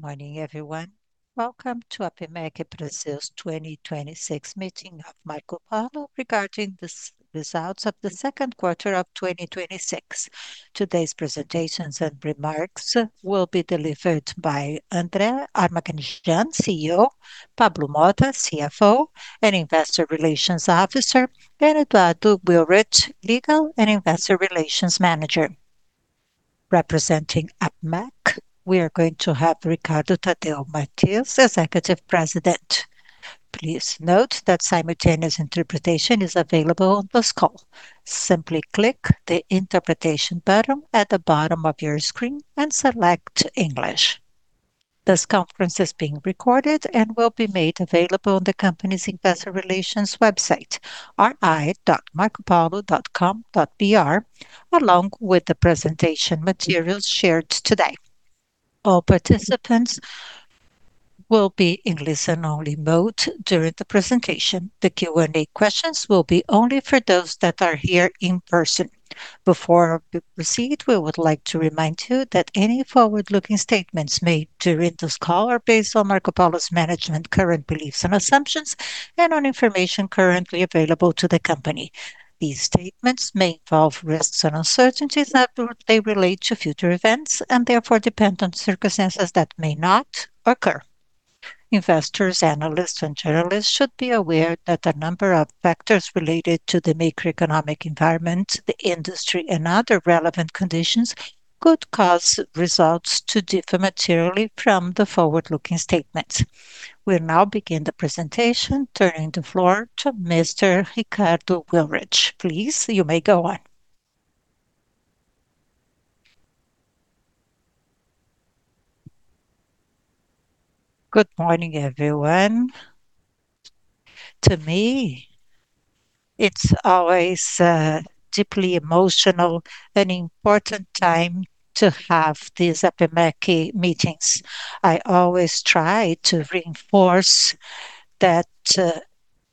Good morning, everyone. Welcome to APIMEC Brazil's 2026 meeting of Marcopolo regarding the results of the second quarter of 2026. Today's presentations and remarks will be delivered by André Armaganijan, CEO, Pablo Motta, CFO and investor relations officer, and Eduardo Willrich, legal and investor relations manager. Representing APIMEC, we are going to have Ricardo Tadeu Martins, Executive President. Please note that simultaneous interpretation is available on this call. Simply click the interpretation button at the bottom of your screen and select English. This conference is being recorded and will be made available on the company's investor relations website, ri.marcopolo.com.br, along with the presentation materials shared today. All participants will be in listen-only mode during the presentation. The Q&A questions will be only for those that are here in person. Before we proceed, we would like to remind you that any forward-looking statements made during this call are based on Marcopolo's management, current beliefs and assumptions, and on information currently available to the company. These statements may involve risks and uncertainties that they relate to future events and therefore depend on circumstances that may not occur. Investors, analysts, and journalists should be aware that a number of factors related to the macroeconomic environment, the industry, and other relevant conditions could cause results to differ materially from the forward-looking statements. We'll now begin the presentation, turning the floor to Mr. Ricardo Tadeu Martins. Please, you may go on. Good morning, everyone. To me, it's always a deeply emotional and important time to have these APIMEC meetings. I always try to reinforce that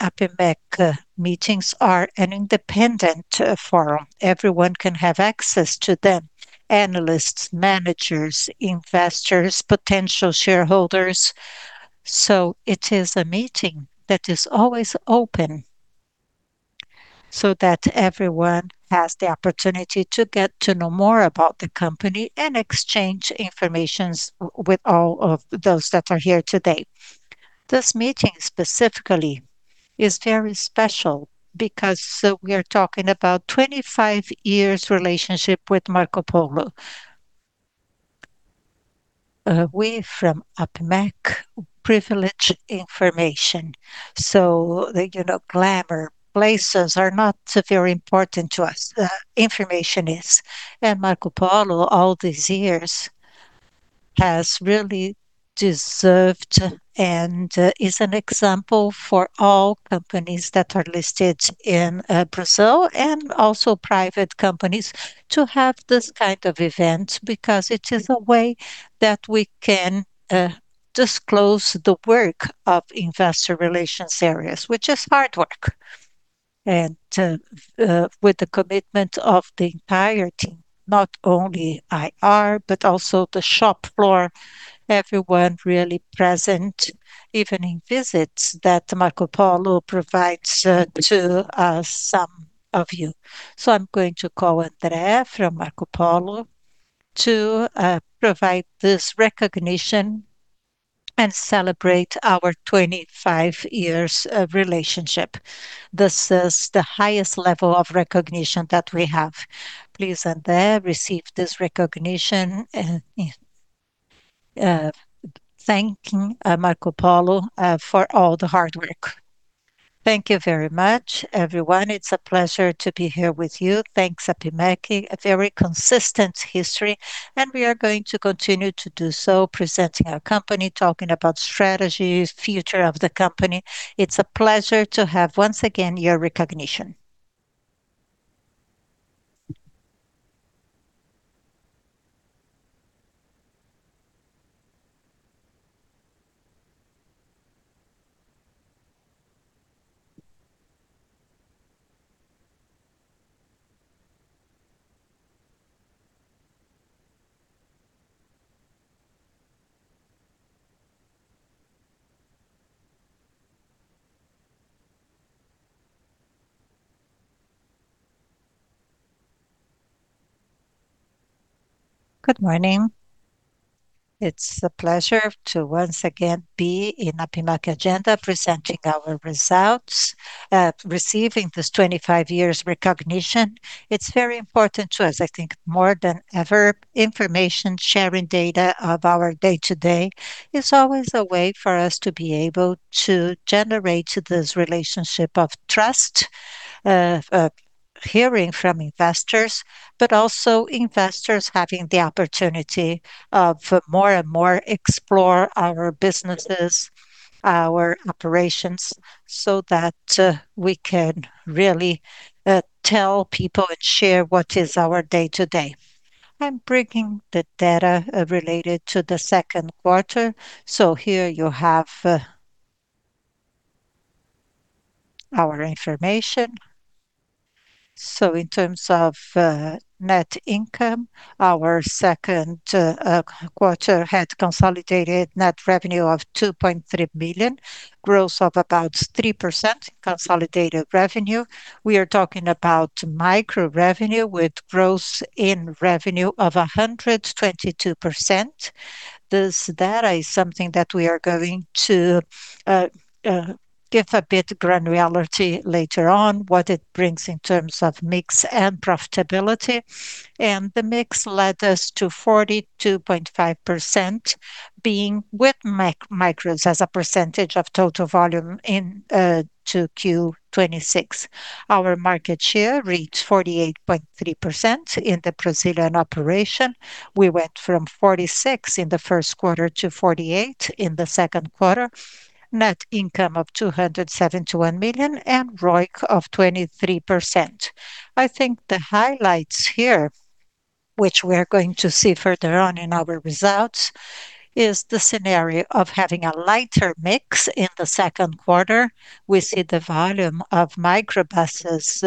APIMEC meetings are an independent forum. Everyone can have access to them, analysts, managers, investors, potential shareholders. It is a meeting that is always open so that everyone has the opportunity to get to know more about the company and exchange information with all of those that are here today. This meeting specifically is very special because we are talking about 25 years relationship with Marcopolo. We from APIMEC privilege information, so the glamour places are not very important to us. The information is. Marcopolo, all these years, has really deserved and is an example for all companies that are listed in Brazil and also private companies to have this kind of event, because it is a way that we can disclose the work of investor relations areas, which is hard work. With the commitment of the entire team, not only IR, but also the shop floor, everyone really present, even in visits that Marcopolo provides to some of you. I'm going to call André from Marcopolo to provide this recognition and celebrate our 25 years of relationship. This is the highest level of recognition that we have. Please, André, receive this recognition, and thank Marcopolo for all the hard work. Thank you very much, everyone. It's a pleasure to be here with you. Thanks, APIMEC. A very consistent history, and we are going to continue to do so, presenting our company, talking about strategies, future of the company. It's a pleasure to have, once again, your recognition. Good morning. It's a pleasure to once again be in APIMEC agenda presenting our results, receiving this 25 years recognition. It's very important to us. I think more than ever, information sharing data of our day-to-day is always a way for us to be able to generate this relationship of trust, hearing from investors, but also investors having the opportunity of more and more explore our businesses, our operations, so that we can really tell people and share what is our day-to-day. I'm bringing the data related to the second quarter. Here you have our information. In terms of net income, our second quarter had consolidated net revenue of 2.3 million, growth of about 3% in consolidated revenue. We are talking about micro revenue with growth in revenue of 122%. This data is something that we are going to give a bit granularity later on, what it brings in terms of mix and profitability. The mix led us to 42.5% being with micros as a percentage of total volume into Q26. Our market share reached 48.3% in the Brazilian operation. We went from 46 in the first quarter to 48 in the second quarter. Net income of 271 million and ROIC of 23%. I think the highlights here, which we are going to see further on in our results, is the scenario of having a lighter mix in the second quarter. We see the volume of micro buses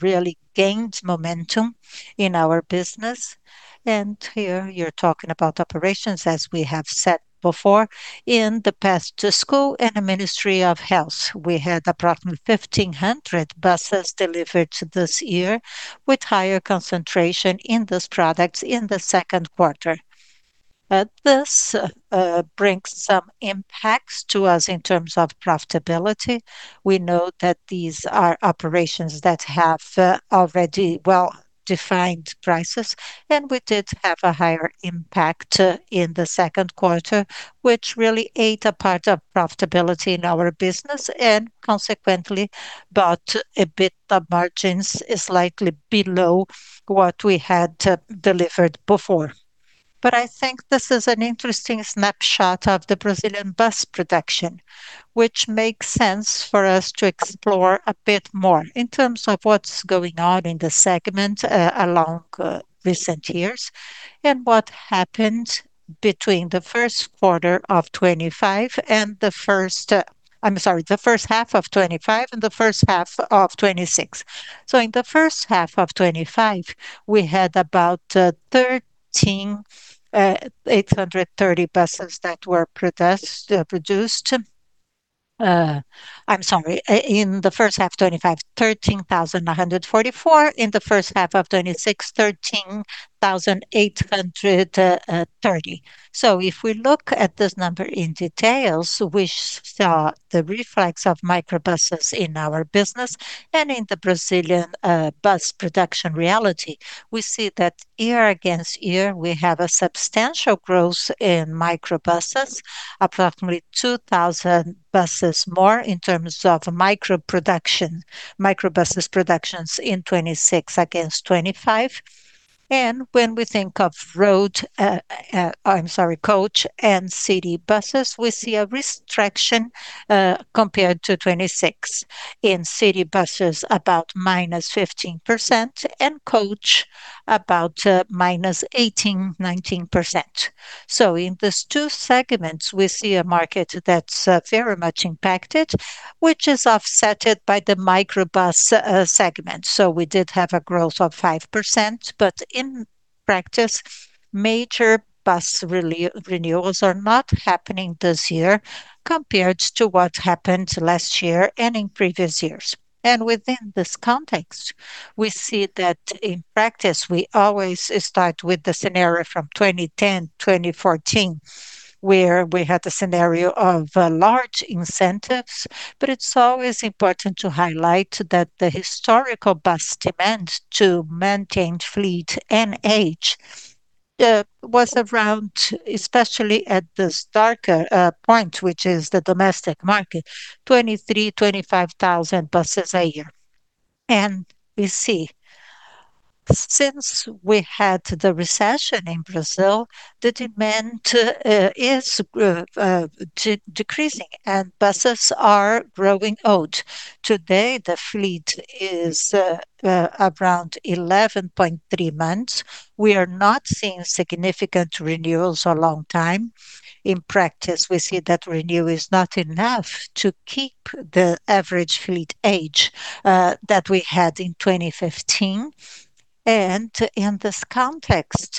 really gained momentum in our business. Here you're talking about operations, as we have said before, in the past, to school and the Ministry of Health. We had approximately 1,500 buses delivered this year with higher concentration in those products in the second quarter. This brings some impacts to us in terms of profitability. We know that these are operations that have already well-defined prices, and we did have a higher impact in the second quarter, which really ate a part of profitability in our business and consequently brought a bit the margins is likely below what we had delivered before. I think this is an interesting snapshot of the Brazilian bus production, which makes sense for us to explore a bit more in terms of what's going on in the segment along recent years and what happened between the first quarter of 2025 and the first, I'm sorry, the first half of 2025 and the first half of 2026. In the first half of 2025, we had about 13,830 buses that were produced. I'm sorry, in the first half 2025, 13,944. In the first half of 2026, 13,830. If we look at this number in details, we saw the reflex of micro buses in our business and in the Brazilian bus production reality. We see that year against year, we have a substantial growth in micro buses, approximately 2,000 buses more in terms of micro production, micro buses productions in 2026 against 2025. When we think of road, I'm sorry, coach and city buses, we see a restriction, compared to 2026. In city buses, about -15%, and coach about -18%, -19%. In these two segments, we see a market that's very much impacted, which is offset by the micro bus segment. We did have a growth of 5%, but in practice, major bus renewals are not happening this year compared to what happened last year and in previous years. Within this context, we see that in practice, we always start with the scenario from 2010, 2014, where we had a scenario of large incentives. It's always important to highlight that the historical bus demand to maintain fleet and age, was around, especially at this darker point, which is the domestic market, 23,000, 25,000 buses a year. We see since we had the recession in Brazil, the demand is decreasing and buses are growing old. Today, the fleet is around 11.3 months. We are not seeing significant renewals a long time. In practice, we see that renewal is not enough to keep the average fleet age that we had in 2015. In this context,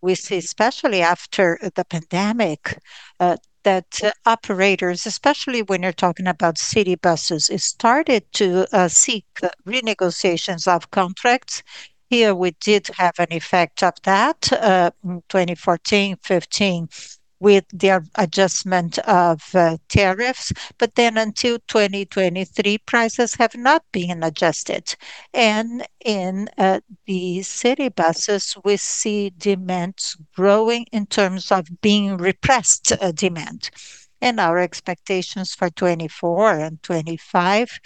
we see, especially after the pandemic, that operators, especially when you're talking about city buses, started to seek renegotiations of contracts. Here we did have an effect of that, 2014, 2015 with the adjustment of tariffs. Until 2023, prices have not been adjusted. In the city buses, we see demand growing in terms of being repressed demand. Our expectations for 2024 and 2025,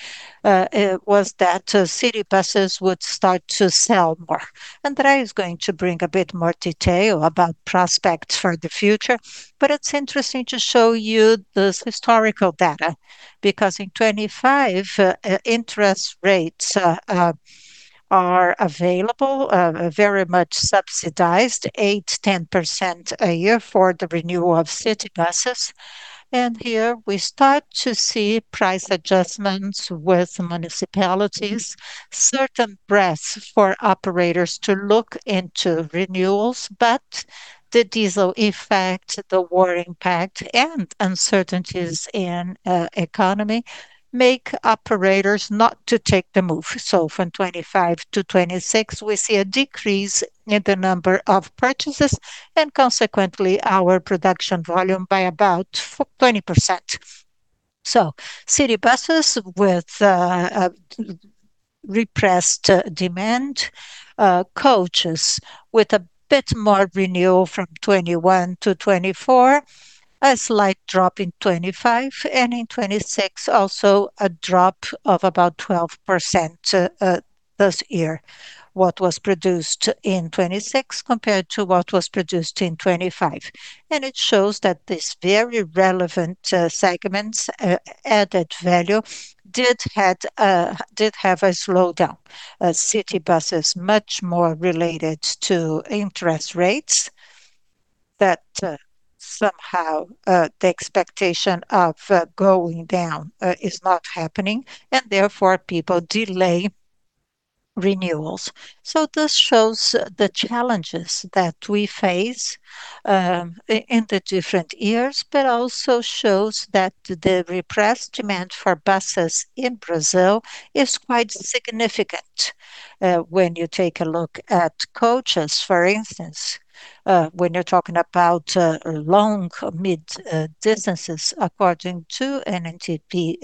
was that city buses would start to sell more. André is going to bring a bit more detail about prospects for the future. It's interesting to show you this historical data because in 2025, interest rates are available, very much subsidized, 8% to 10% a year for the renewal of city buses. Here we start to see price adjustments with municipalities, certain breaths for operators to look into renewals, but the diesel effect, the war impact, and uncertainties in economy make operators not to take the move. From 2025 to 2026, we see a decrease in the number of purchases, and consequently our production volume by about 20%. City buses with repressed demand, coaches with a bit more renewal from 2021 to 2024, a slight drop in 2025, and in 2026 also a drop of about 12% this year, what was produced in 2026 compared to what was produced in 2025. It shows that this very relevant segments added value did have a slowdown. City buses much more related to interest rates, that somehow the expectation of going down is not happening, and therefore people delay renewals. This shows the challenges that we face in the different years, but also shows that the repressed demand for buses in Brazil is quite significant. When you take a look at coaches, for instance, when you're talking about long, mid distances, according to ANTP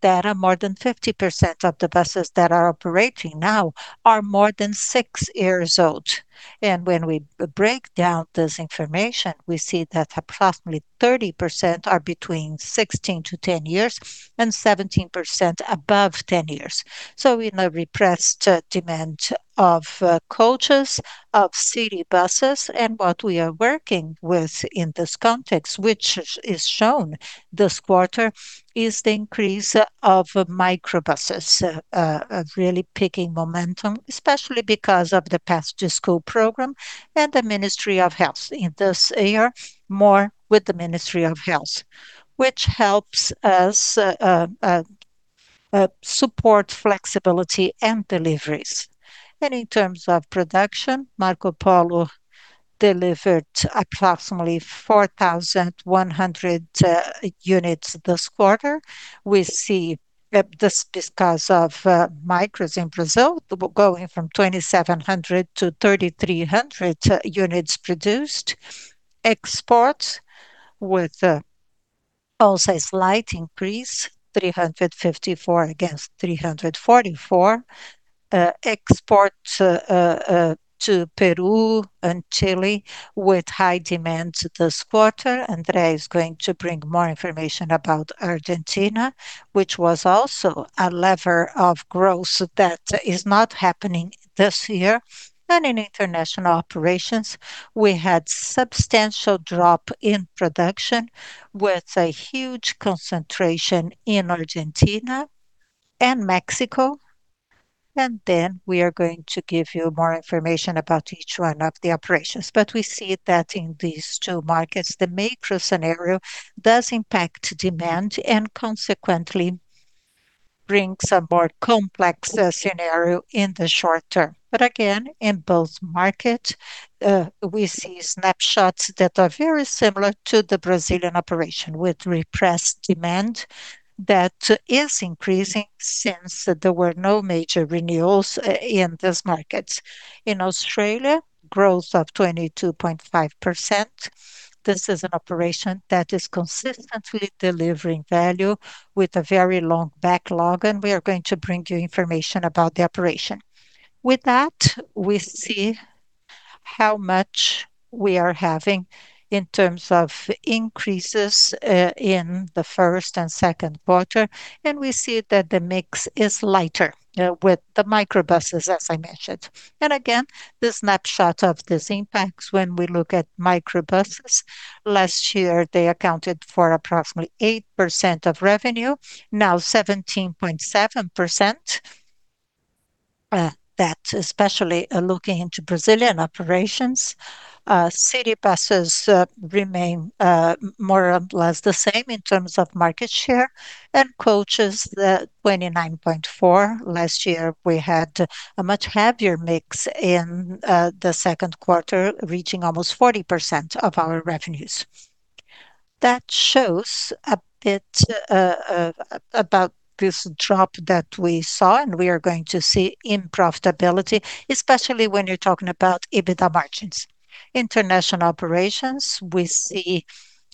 data, more than 50% of the buses that are operating now are more than six years old. When we break down this information, we see that approximately 30% are between six to 10 years and 17% above 10 years. In a repressed demand of coaches, of city buses, and what we are working with in this context, which is shown this quarter, is the increase of microbuses, really picking momentum, especially because of the Caminho da Escola program and the Ministry of Health. In this year, more with the Ministry of Health, which helps us support flexibility and deliveries. In terms of production, Marcopolo delivered approximately 4,100 units this quarter. We see this because of micros in Brazil, going from 2,700 to 3,300 units produced. Exports with also a slight increase, 354 against 344. Export to Peru and Chile with high demand this quarter. André is going to bring more information about Argentina, which was also a lever of growth that is not happening this year. In international operations, we had substantial drop in production with a huge concentration in Argentina and Mexico. Then we are going to give you more information about each one of the operations. But we see that in these two markets, the macro scenario does impact demand and consequently brings a more complex scenario in the short term. But again, in both market, we see snapshots that are very similar to the Brazilian operation with repressed demand that is increasing since there were no major renewals in those markets. In Australia, growth of 22.5%. This is an operation that is consistently delivering value with a very long backlog, and we are going to bring you information about the operation. With that, we see how much we are having in terms of increases in the first and second quarter, and we see that the mix is lighter with the microbuses, as I mentioned. Again, the snapshot of these impacts when we look at microbuses. Last year, they accounted for approximately 8% of revenue, now 17.7% that especially looking into Brazilian operations. City buses remain more or less the same in terms of market share and coaches, the 29.4%. Last year, we had a much heavier mix in the second quarter, reaching almost 40% of our revenues. That shows a bit about this drop that we saw and we are going to see in profitability, especially when you're talking about EBITDA margins. International operations, we see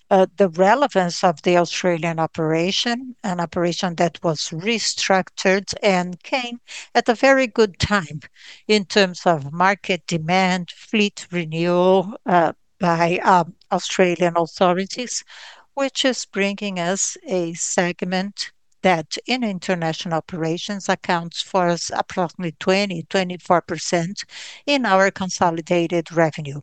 the relevance of the Australian operation, an operation that was restructured and came at a very good time in terms of market demand, fleet renewal, by Australian authorities, which is bringing us a segment that in international operations accounts for us approximately 20% to 24% in our consolidated revenue,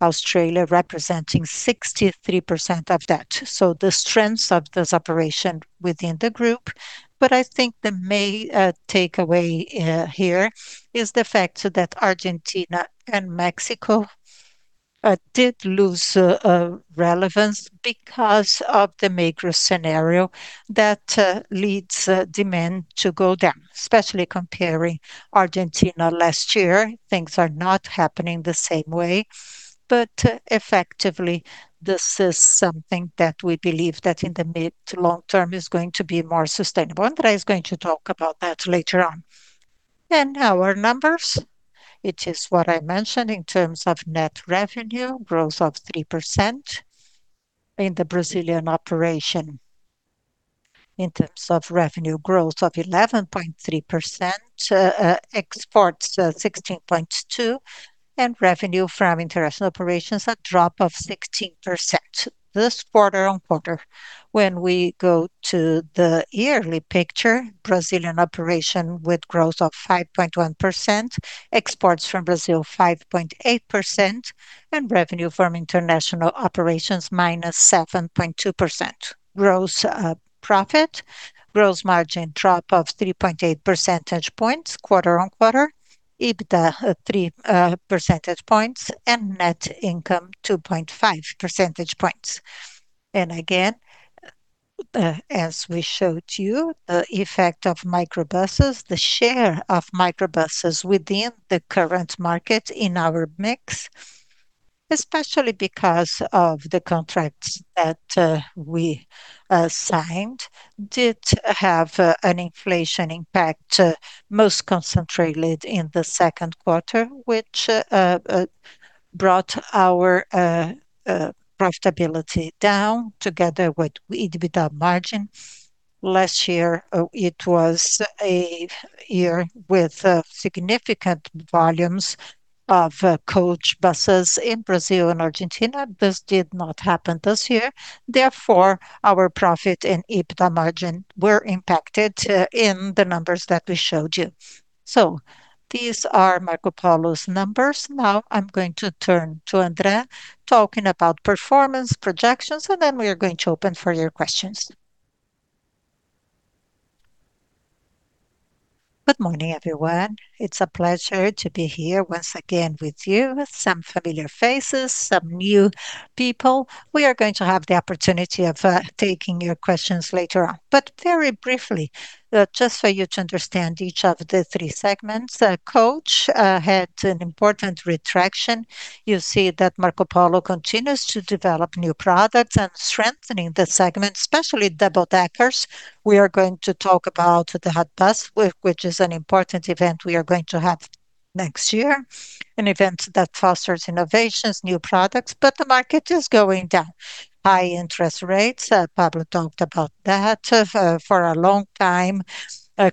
Australia representing 63% of that. So the strengths of this operation within the group, but I think the main takeaway here is the fact that Argentina and Mexico did lose relevance because of the macro scenario that leads demand to go down, especially comparing Argentina last year. Things are not happening the same way. But effectively, this is something that we believe that in the mid to long term is going to be more sustainable. André is going to talk about that later on. Our numbers, it is what I mentioned in terms of net revenue growth of 3% in the Brazilian operation. In terms of revenue growth of 11.3%, exports 16.2%, and revenue from international operations, a drop of 16%. This quarter-on-quarter. When we go to the yearly picture, Brazilian operation with growth of 5.1%, exports from Brazil 5.8%, and revenue from international operations minus 7.2%. Gross profit, gross margin drop of 3.8 percentage points quarter-on-quarter, EBITDA 3 percentage points, and net income 2.5 percentage points. Again, as we showed you, the effect of microbuses, the share of microbuses within the current market in our mix, especially because of the contracts that we signed, did have an inflation impact, most concentrated in the second quarter, which brought our profitability down together with EBITDA margin. Last year, it was a year with significant volumes of coach buses in Brazil and Argentina. This did not happen this year. Our profit and EBITDA margin were impacted in the numbers that we showed you. These are Marcopolo's numbers. Now I'm going to turn to André talking about performance projections, and then we are going to open for your questions. Good morning, everyone. It's a pleasure to be here once again with you. Some familiar faces, some new people. We are going to have the opportunity of taking your questions later on. Very briefly, just for you to understand each of the three segments. Coach had an important retraction. You see that Marcopolo continues to develop new products and strengthening the segment, especially double-deckers. We are going to talk about the Bus, which is an important event we are going to have next year, an event that fosters innovations, new products, the market is going down. High interest rates, Pablo talked about that for a long time,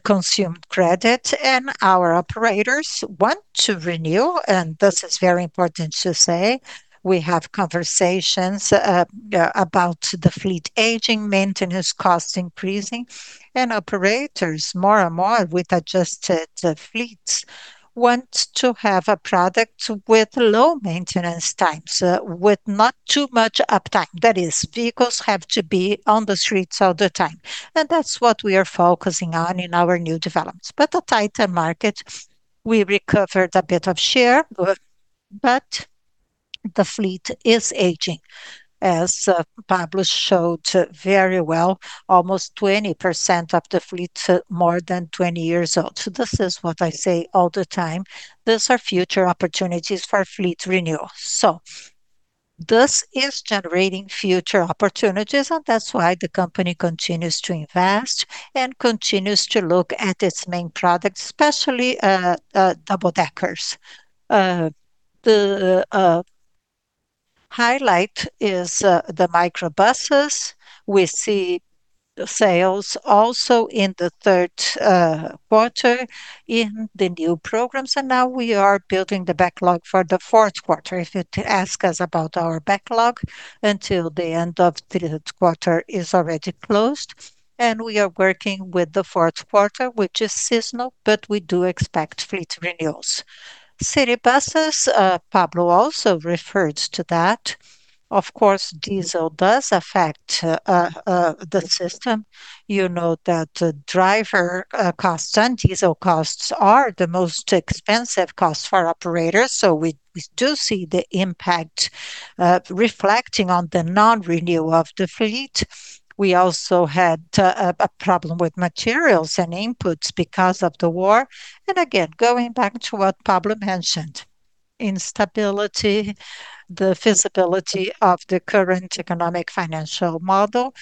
consumed credit and our operators want to renew, and this is very important to say. We have conversations about the fleet aging, maintenance cost increasing, and operators more and more with adjusted fleets want to have a product with low maintenance times, with not too much uptime. That is, vehicles have to be on the streets all the time. That's what we are focusing on in our new developments. The tighter market, we recovered a bit of share, but the fleet is aging. As Pablo showed very well, almost 20% of the fleet more than 20 years old. This is what I say all the time. These are future opportunities for fleet renewal. This is generating future opportunities, and that's why the company continues to invest and continues to look at its main products, especially double-deckers. The highlight is the micro buses. We see sales also in the third quarter in the new programs, and now we are building the backlog for the fourth quarter. If you ask us about our backlog until the end of third quarter is already closed, and we are working with the fourth quarter, which is seasonal, but we do expect fleet renewals. City buses, Pablo also referred to that. Of course, diesel does affect the system. You know that driver costs and diesel costs are the most expensive costs for operators, so we do see the impact reflecting on the non-renewal of the fleet. We also had a problem with materials and inputs because of the war. Again, going back to what Pablo mentioned, instability, the feasibility of the current economic financial model,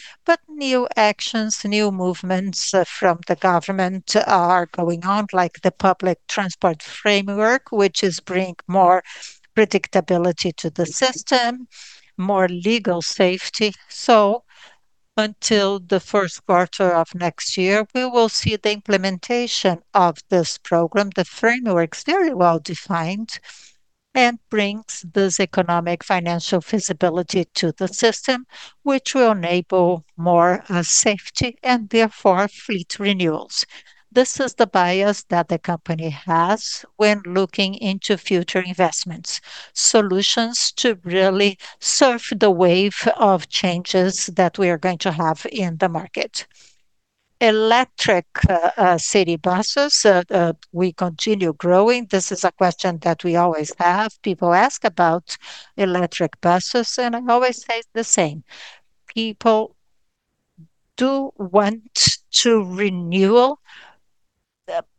new actions, new movements from the government are going on, like the public transport framework, which is bring more predictability to the system, more legal safety. Until the first quarter of next year, we will see the implementation of this program. The framework's very well-defined and brings this economic financial feasibility to the system, which will enable more safety and therefore fleet renewals. This is the bias that the company has when looking into future investments, solutions to really surf the wave of changes that we are going to have in the market. Electric city buses. We continue growing. This is a question that we always have. People ask about electric buses, and I always say the same. People do want to renew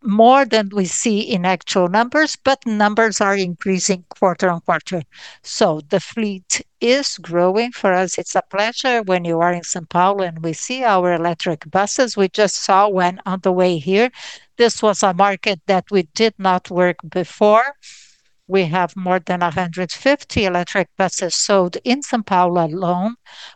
more than we see in actual numbers. Numbers are increasing quarter-on-quarter. The fleet is growing. For us, it's a pleasure when you are in São Paulo and we see our electric buses. We just saw one on the way here. This was a market that we did not work before. We have more than 150 electric buses sold in São Paulo alone.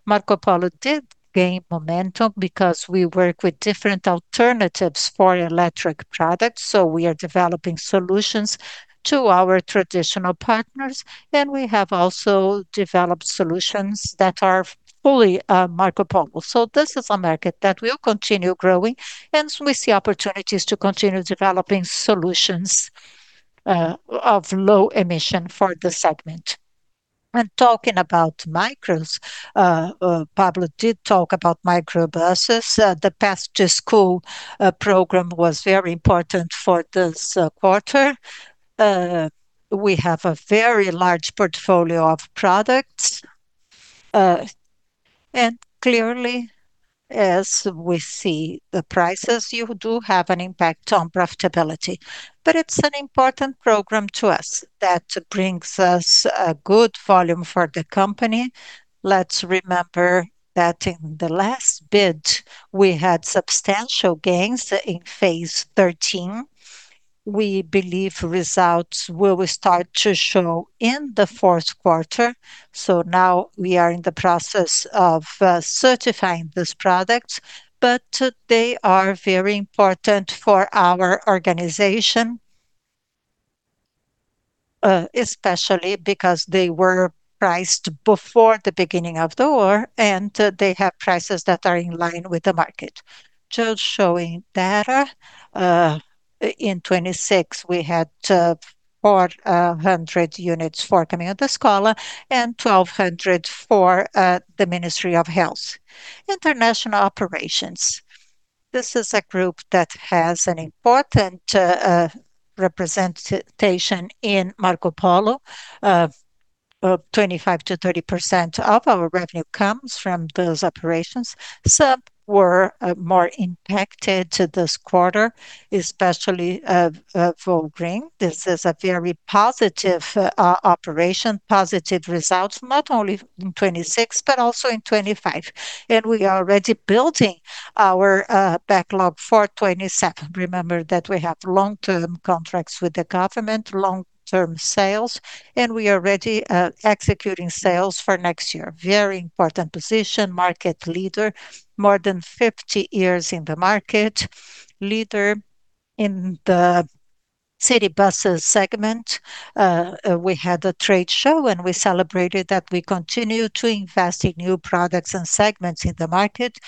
Marcopolo did gain momentum because we work with different alternatives for electric products. We are developing solutions to our traditional partners, and we have also developed solutions that are fully Marcopolo. This is a market that will continue growing, and we see opportunities to continue developing solutions of low emission for this segment. Talking about micros, Pablo did talk about micro buses. The Path to School Program was very important for this quarter. We have a very large portfolio of products. Clearly, as we see, the prices do have an impact on profitability. It's an important program to us that brings us a good volume for the company. Let's remember that in the last bid, we had substantial gains in phase 13. We believe results will start to show in the fourth quarter. Now we are in the process of certifying those products. They are very important for our organization, especially because they were priced before the beginning of the war, and they have prices that are in line with the market. Just showing data. In 2026, we had 400 units for the Path to School Program and 1,200 for the Ministry of Health. International operations. This is a group that has an important representation in Marcopolo. 25% to 30% of our revenue comes from those operations. Some were more impacted this quarter, especially Volgren. This is a very positive operation, positive results, not only in 2026, but also in 2025. We are already building our backlog for 2027. Remember that we have long-term contracts with the government, long-term sales, and we are already executing sales for next year. Very important position, market leader, more than 50 years in the market, leader in the city buses segment. We had a trade show, and we celebrated that we continue to invest in new products and segments in the market.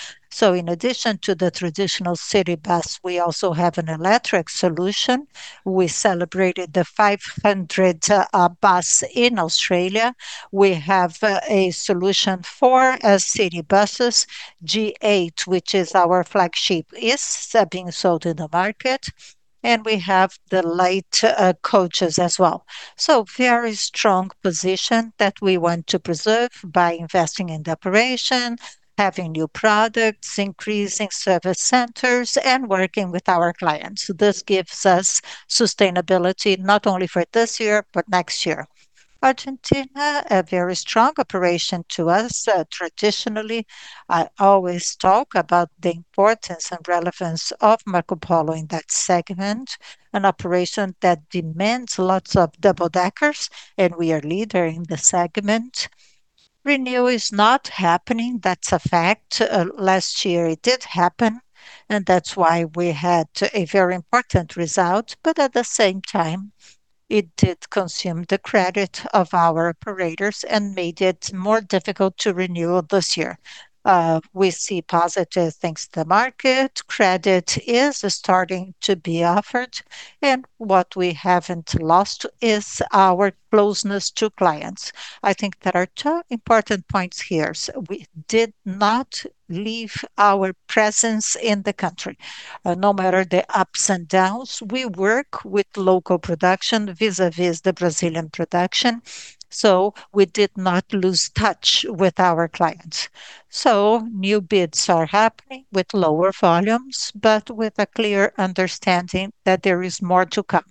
In addition to the traditional city bus, we also have an electric solution. We celebrated the 500th bus in Australia. We have a solution for city buses, G8, which is our flagship, is being sold in the market, and we have the light coaches as well. Very strong position that we want to preserve by investing in the operation, having new products, increasing service centers, and working with our clients. This gives us sustainability not only for this year, but next year. Argentina, a very strong operation to us. Traditionally, I always talk about the importance and relevance of Marcopolo in that segment, an operation that demands lots of double-deckers, and we are leader in the segment. Renewal is not happening, that's a fact. Last year it did happen, and that's why we had a very important result. At the same time, it did consume the credit of our operators and made it more difficult to renew this year. We see positive things. The market credit is starting to be offered, and what we haven't lost is our closeness to clients. I think there are two important points here. We did not leave our presence in the country. No matter the ups and downs, we work with local production vis-à-vis the Brazilian production, we did not lose touch with our clients. New bids are happening with lower volumes, but with a clear understanding that there is more to come.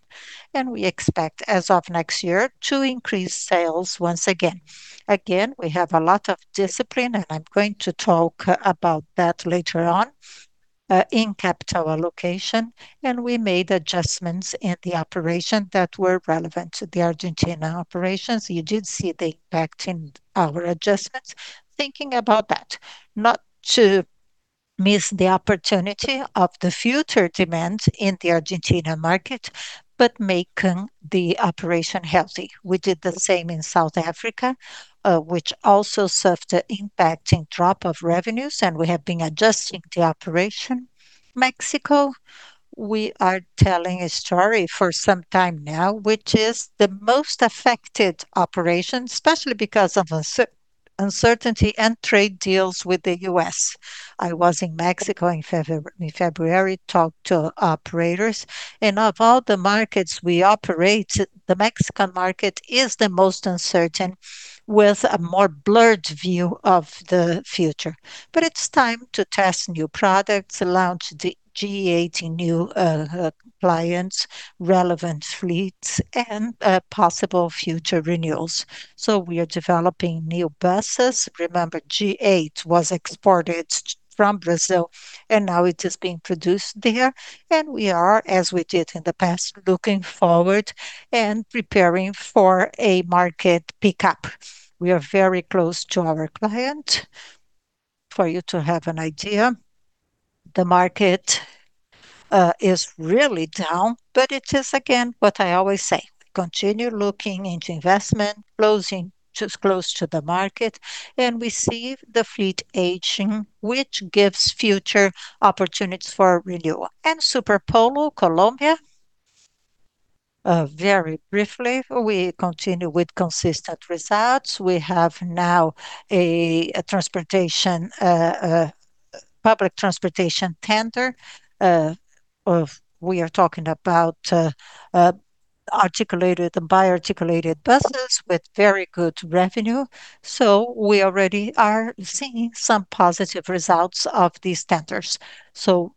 We expect as of next year to increase sales once again. Again, we have a lot of discipline, and I'm going to talk about that later on, in capital allocation, and we made adjustments in the operation that were relevant to the Argentina operations. You did see the impact in our adjustments. Thinking about that, not to miss the opportunity of the future demand in the Argentina market, but making the operation healthy. We did the same in South Africa, which also suffered impact in drop of revenues, and we have been adjusting the operation. Mexico, we are telling a story for some time now, which is the most affected operation, especially because of Uncertainty and trade deals with the U.S. I was in Mexico in February, talked to operators, and of all the markets we operate, the Mexican market is the most uncertain, with a more blurred view of the future. It's time to test new products, launch the G8 new clients, relevant fleets, and possible future renewals. We are developing new buses. Remember, G8 was exported from Brazil, and now it is being produced there, and we are, as we did in the past, looking forward and preparing for a market pickup. We are very close to our client. For you to have an idea, the market is really down, but it is, again, what I always say. Continue looking into investment, close to the market, and we see the fleet aging, which gives future opportunities for renewal. Marcopolo Colombia, very briefly, we continue with consistent results. We have now a public transportation tender of, we are talking about articulated and bi-articulated buses with very good revenue. We already are seeing some positive results of these tenders.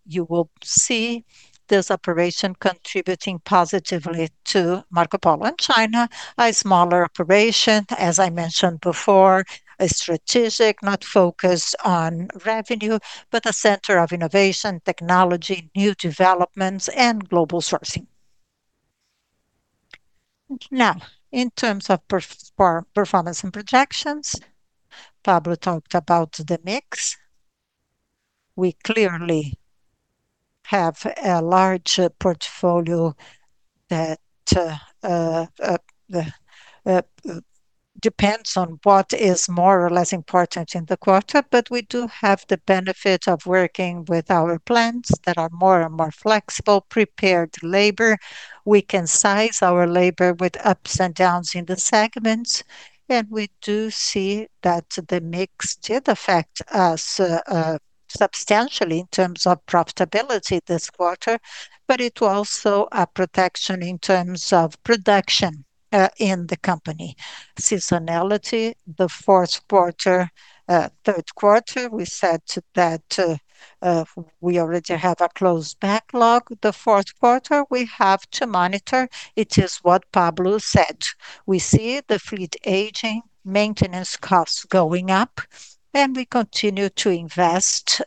You will see this operation contributing positively to Marcopolo. China, a smaller operation, as I mentioned before, a strategic, not focused on revenue, but a center of innovation, technology, new developments, and global sourcing. Now, in terms of performance and projections, Pablo talked about the mix. We clearly have a large portfolio that depends on what is more or less important in the quarter, but we do have the benefit of working with our plants that are more and more flexible, prepared labor. We can size our labor with ups and downs in the segments, we do see that the mix did affect us substantially in terms of profitability this quarter, but it was also a protection in terms of production in the company. Seasonality, the third quarter, we said that we already have a closed backlog. The fourth quarter, we have to monitor. It is what Pablo said. We see the fleet aging, maintenance costs going up, and we continue to invest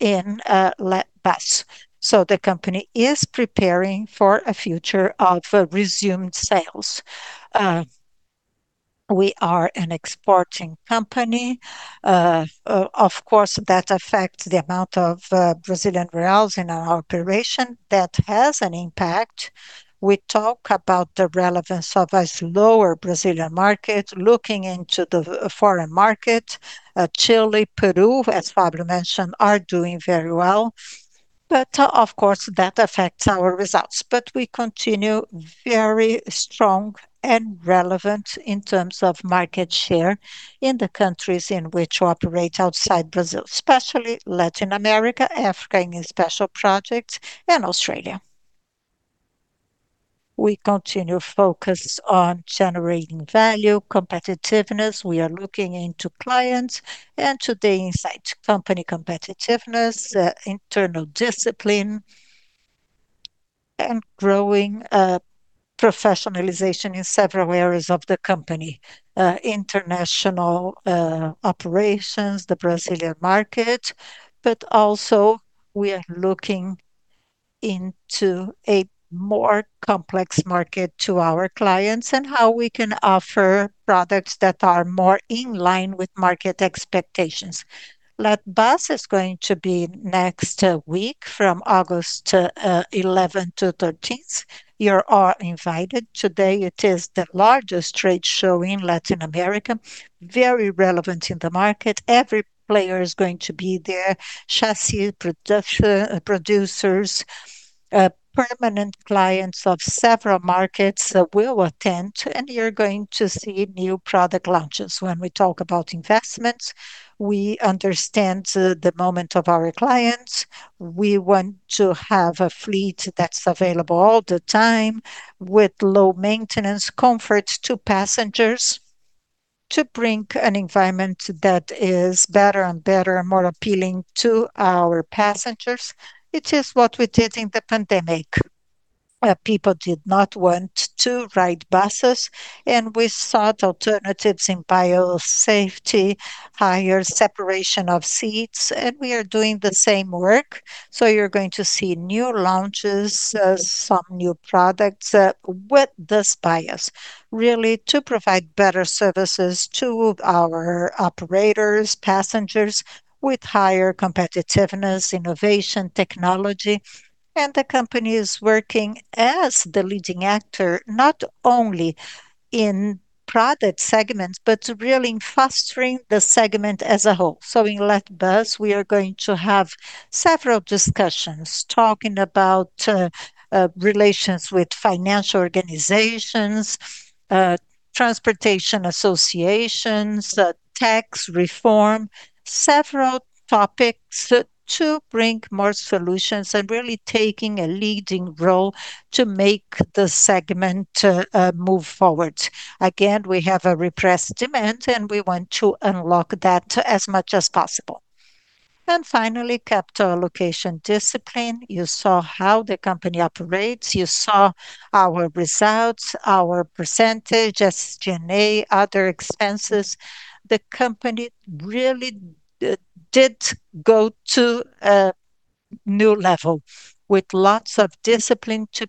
in Lat.Bus. The company is preparing for a future of resumed sales. We are an exporting company. Of course, that affects the amount of Brazilian reals in our operation. That has an impact. We talk about the relevance of a slower Brazilian market, looking into the foreign market. Chile, Peru, as Pablo mentioned, are doing very well. Of course, that affects our results. We continue very strong and relevant in terms of market share in the countries in which we operate outside Brazil, especially Latin America, Africa in special projects, and Australia. We continue focused on generating value, competitiveness. We are looking into clients and to the inside company competitiveness, internal discipline, and growing professionalization in several areas of the company. International operations, the Brazilian market, we are looking into a more complex market to our clients and how we can offer products that are more in line with market expectations. Lat.Bus is going to be next week from August 11 to 13th. You are all invited. Today, it is the largest trade show in Latin America, very relevant in the market. Every player is going to be there. Chassis producers, permanent clients of several markets will attend, and you're going to see new product launches. When we talk about investments, we understand the moment of our clients. We want to have a fleet that's available all the time with low maintenance, comfort to passengers to bring an environment that is better and better, more appealing to our passengers. It is what we did in the pandemic. People did not want to ride buses, and we sought alternatives in biosafety, higher separation of seats, and we are doing the same work. You're going to see new launches, some new products with this bias, really to provide better services to our operators, passengers with higher competitiveness, innovation, technology. The company is working as the leading actor, not only in product segments, but really in fostering the segment as a whole. In Lat.Bus, we are going to have several discussions talking about relations with financial organizations Transportation associations, tax reform, several topics to bring more solutions and really taking a leading role to make the segment move forward. We have a repressed demand, and we want to unlock that as much as possible. Finally, capital allocation discipline. You saw how the company operates. You saw our results, our percentage, SGA, other expenses. The company really did go to a new level with lots of discipline to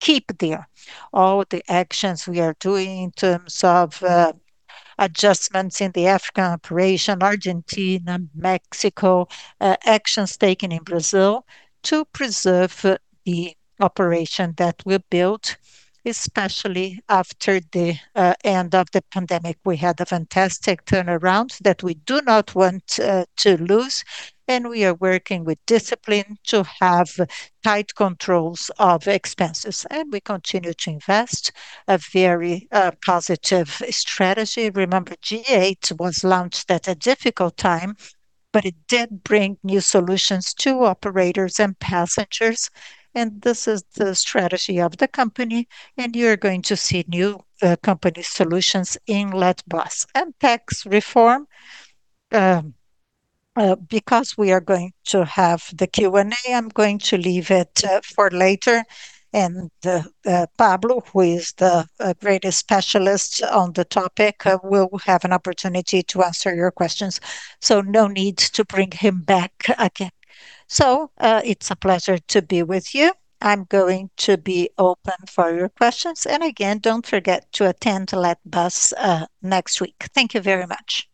keep there all the actions we are doing in terms of adjustments in the African operation, Argentina, Mexico, actions taken in Brazil to preserve the operation that we built, especially after the end of the pandemic. We had a fantastic turnaround that we do not want to lose. We are working with discipline to have tight controls of expenses, and we continue to invest a very positive strategy. Remember, G8 was launched at a difficult time, but it did bring new solutions to operators and passengers, and this is the strategy of the company. You are going to see new company solutions in Lat. Bus. Tax reform, because we are going to have the Q&A, I'm going to leave it for later. Pablo, who is the greatest specialist on the topic, will have an opportunity to answer your questions, no need to bring him back again. It's a pleasure to be with you. I'm going to be open for your questions. Again, don't forget to attend Lat.Bus next week. Thank you very much.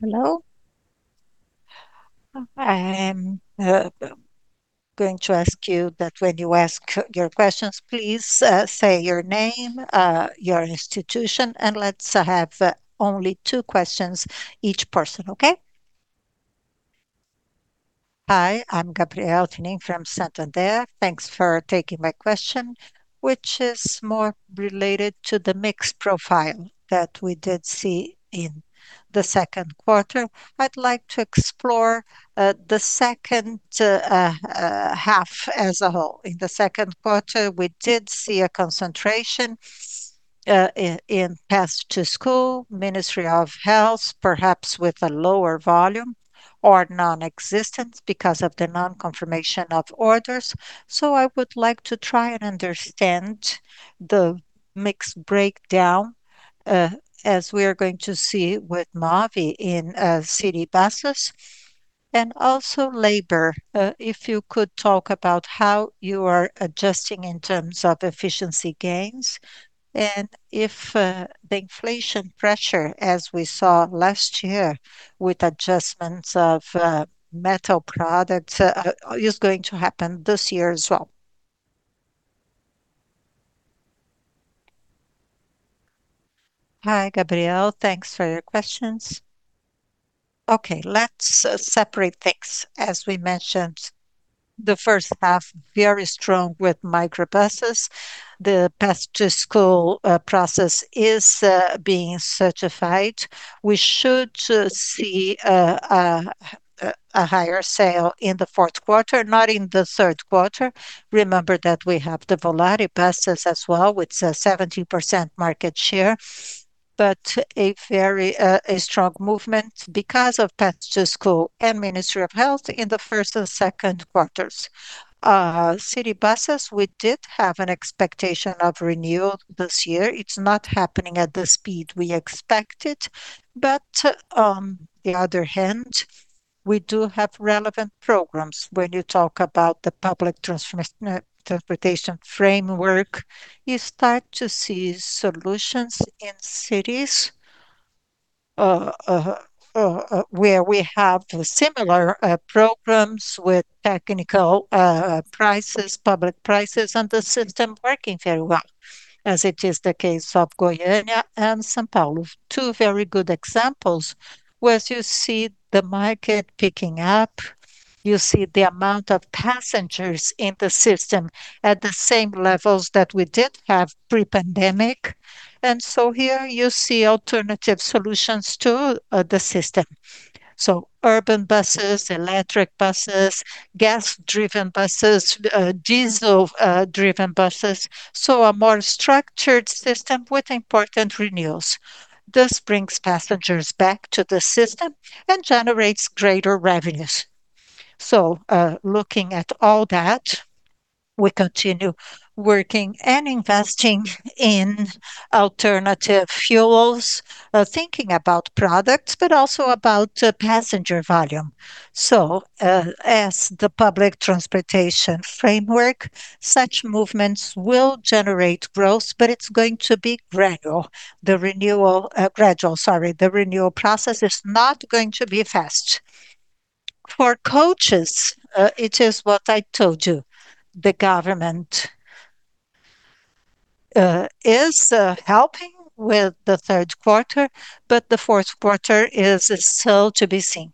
Hello. I am going to ask you that when you ask your questions, please say your name, your institution, and let's have only two questions each person, okay? Hi, I'm Gabriela Fonteles from Santander. Thanks for taking my question, which is more related to the mixed profile that we did see in the second quarter. I'd like to explore the second half as a whole. In the second quarter, we did see a concentration in Caminho da Escola, Ministry of Health, perhaps with a lower volume or non-existent because of the non-confirmation of orders. I would like to try and understand the mix breakdown, as we are going to see with MOVE in city buses. Also labor, if you could talk about how you are adjusting in terms of efficiency gains and if the inflation pressure, as we saw last year with adjustments of metal products, is going to happen this year as well. Hi, Gabriela. Thanks for your questions. Okay. Let's separate things. As we mentioned, the first half, very strong with micro buses. The Caminho da Escola process is being certified. We should see a higher sale in the fourth quarter, not in the third quarter. Remember that we have the Volare buses as well, with a 17% market share, but a very strong movement because of Caminho da Escola and Ministry of Health in the first and second quarters. City buses, we did have an expectation of renewal this year. It's not happening at the speed we expected. On the other hand, we do have relevant programs. When you talk about the public transportation framework, you start to see solutions in cities where we have similar programs with technical prices, public prices, and the system working very well, as it is the case of Goiânia and São Paulo. Two very good examples, where you see the market picking up, you see the amount of passengers in the system at the same levels that we did have pre-pandemic. Here you see alternative solutions to the system. Urban buses, electric buses, gas-driven buses, diesel-driven buses. a more structured system with important renewals. This brings passengers back to the system and generates greater revenues. Looking at all that, we continue working and investing in alternative fuels, thinking about products, but also about passenger volume. As the public transportation framework, such movements will generate growth, but it's going to be gradual. The renewal process is not going to be fast. For coaches, it is what I told you. The government is helping with the third quarter, but the fourth quarter is still to be seen.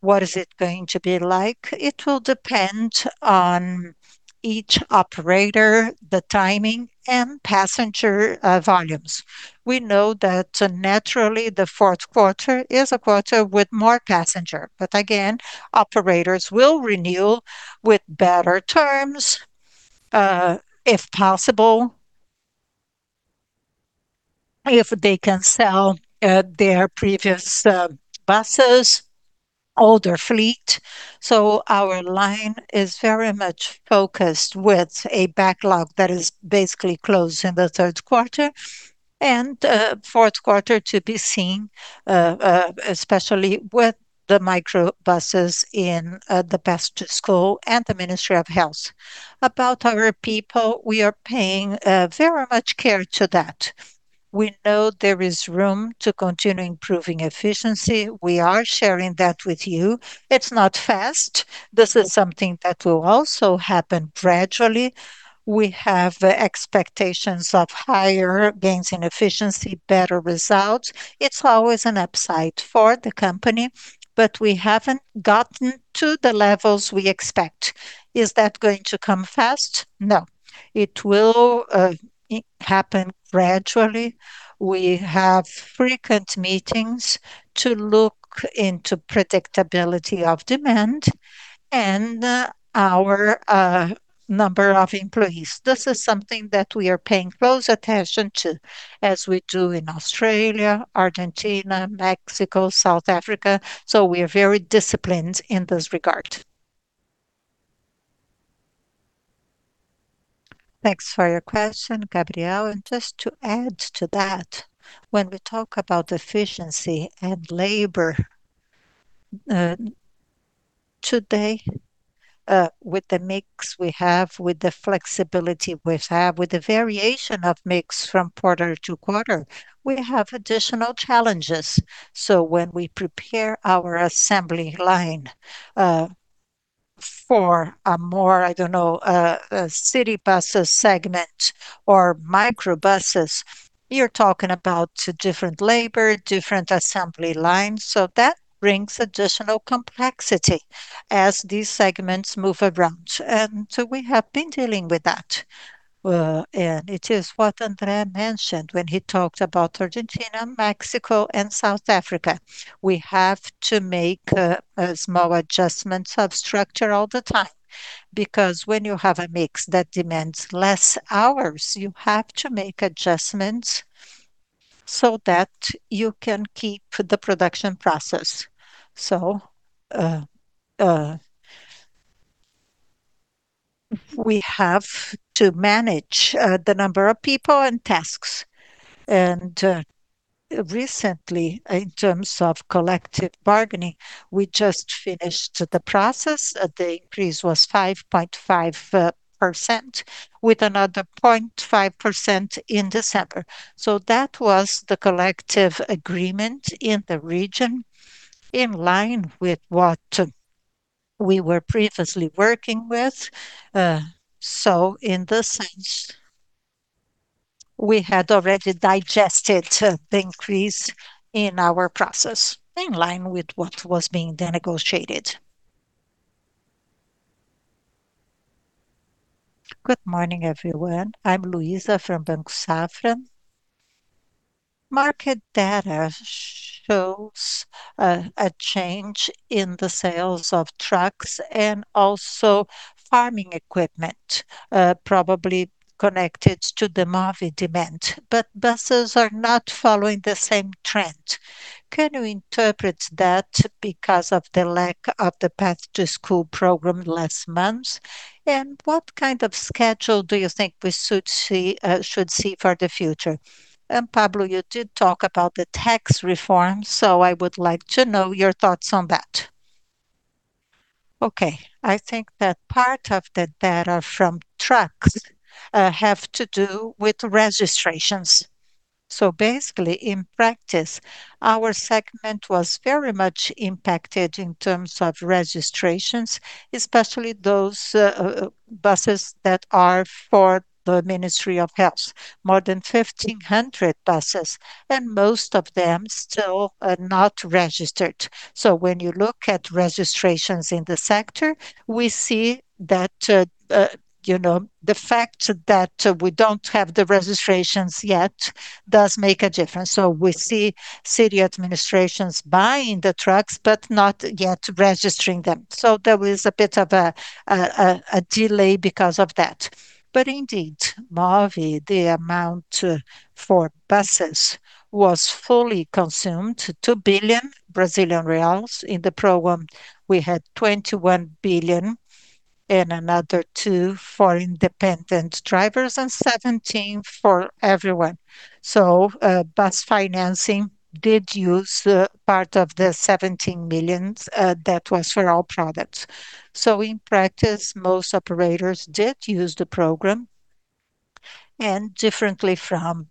What is it going to be like? It will depend on each operator, the timing, and passenger volumes. We know that naturally, the fourth quarter is a quarter with more passengers. Again, operators will renew with better terms, if possible, if they can sell their previous buses, older fleet. Our line is very much focused with a backlog that is basically closed in the third quarter and fourth quarter to be seen, especially with the microbuses in the Caminho da Escola and the Ministry of Health. About our people, we are paying very much care to that. We know there is room to continue improving efficiency. We are sharing that with you. It's not fast. This is something that will also happen gradually. We have expectations of higher gains in efficiency, better results. It's always an upside for the company, but we haven't gotten to the levels we expect. Is that going to come fast? No. It will happen gradually. We have frequent meetings to look into predictability of demand and our number of employees. This is something that we are paying close attention to, as we do in Australia, Argentina, Mexico, South Africa. We are very disciplined in this regard. Thanks for your question, Gabriela. Just to add to that, when we talk about efficiency and labor today, with the mix we have, with the flexibility we have, with the variation of mix from quarter to quarter, we have additional challenges. When we prepare our assembly line for a more, I don't know, city buses segment or microbuses, you're talking about different labor, different assembly lines. That brings additional complexity as these segments move around. We have been dealing with that. It is what André mentioned when he talked about Argentina, Mexico, and South Africa. We have to make small adjustments of structure all the time, because when you have a mix that demands less hours, you have to make adjustments so that you can keep the production process. We have to manage the number of people and tasks. Recently, in terms of collective bargaining, we just finished the process. The increase was 5.5% with another 0.5% in December. That was the collective agreement in the region in line with what we were previously working with. In this sense, we had already digested the increase in our process in line with what was being then negotiated. Good morning, everyone. I'm Luiza from Banco Safra. Market data shows a change in the sales of trucks and also farming equipment, probably connected to the MOVE demand. But buses are not following the same trend. Can you interpret that because of the lack of the Path to School program last month, and what kind of schedule do you think we should see for the future? Pablo, you did talk about the tax reform, so I would like to know your thoughts on that. I think that part of the data from trucks have to do with registrations. Basically, in practice, our segment was very much impacted in terms of registrations, especially those buses that are for the Ministry of Health, more than 1,500 buses, and most of them still are not registered. When you look at registrations in the sector, we see the fact that we don't have the registrations yet does make a difference. We see city administrations buying the trucks, but not yet registering them. There was a bit of a delay because of that. Indeed, MOVE, the amount for buses was fully consumed, 2 billion Brazilian reais. In the program, we had 21 billion and another 2 billion for independent drivers and 17 billion for everyone. Bus financing did use part of the 17 million that was for all products. In practice, most operators did use the program. Differently from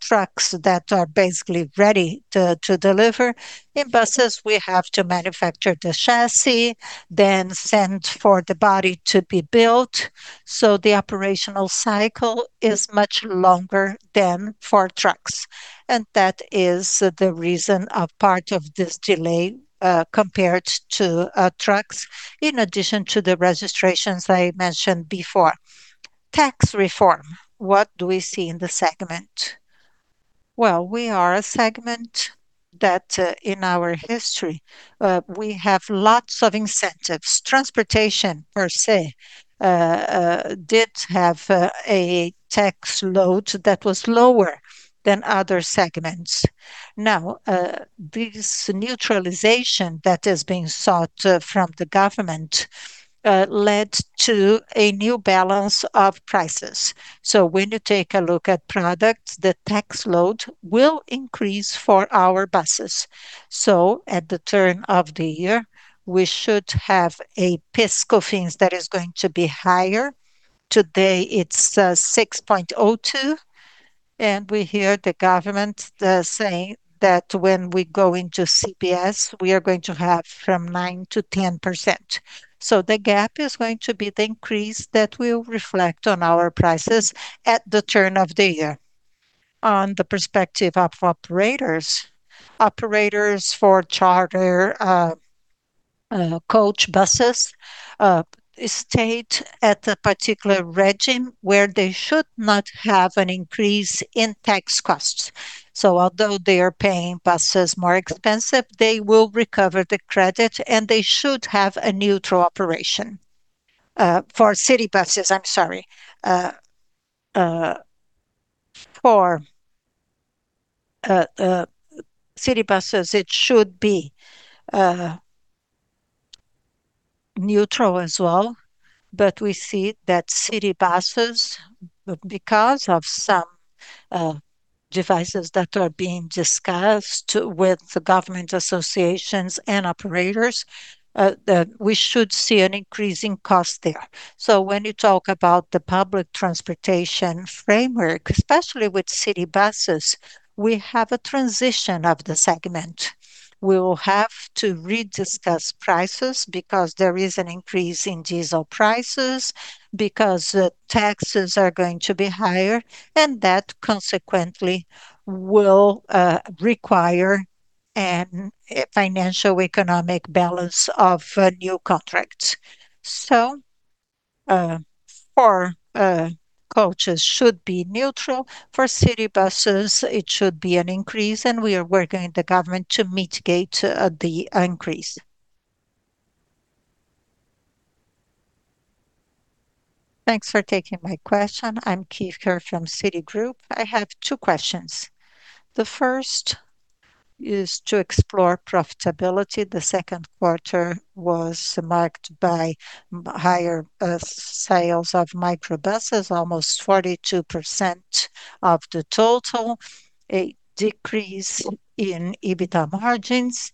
trucks that are basically ready to deliver, in buses, we have to manufacture the chassis, then send for the body to be built, so the operational cycle is much longer than for trucks. That is the reason of part of this delay, compared to trucks, in addition to the registrations I mentioned before. Tax reform, what do we see in the segment? Well, we are a segment that in our history, we have lots of incentives. Transportation, per se, did have a tax load that was lower than other segments. This neutralization that is being sought from the government led to a new balance of prices. When you take a look at products, the tax load will increase for our buses. At the turn of the year, we should have a PIS/COFINS that is going to be higher. Today, it's 6.02%, we hear the government saying that when we go into CBS, we are going to have from 9%-10%. The gap is going to be the increase that will reflect on our prices at the turn of the year. On the perspective of operators for charter coach buses stayed at a particular regime where they should not have an increase in tax costs. Although they are paying buses more expensive, they will recover the credit, and they should have a neutral operation. For city buses, it should be neutral as well. We see that city buses, because of some devices that are being discussed with the government associations and operators, we should see an increase in cost there. When you talk about the public transportation framework, especially with city buses, we have a transition of the segment. We will have to re-discuss prices because there is an increase in diesel prices, because taxes are going to be higher, and that consequently will require a financial economic balance of new contracts. For coaches should be neutral. For city buses, it should be an increase, and we are working with the government to mitigate the increase. Thanks for taking my question. I'm Keith Kerr from Citigroup. I have two questions. The first is to explore profitability. The second quarter was marked by higher sales of micro buses, almost 42% of the total, a decrease in EBITDA margins.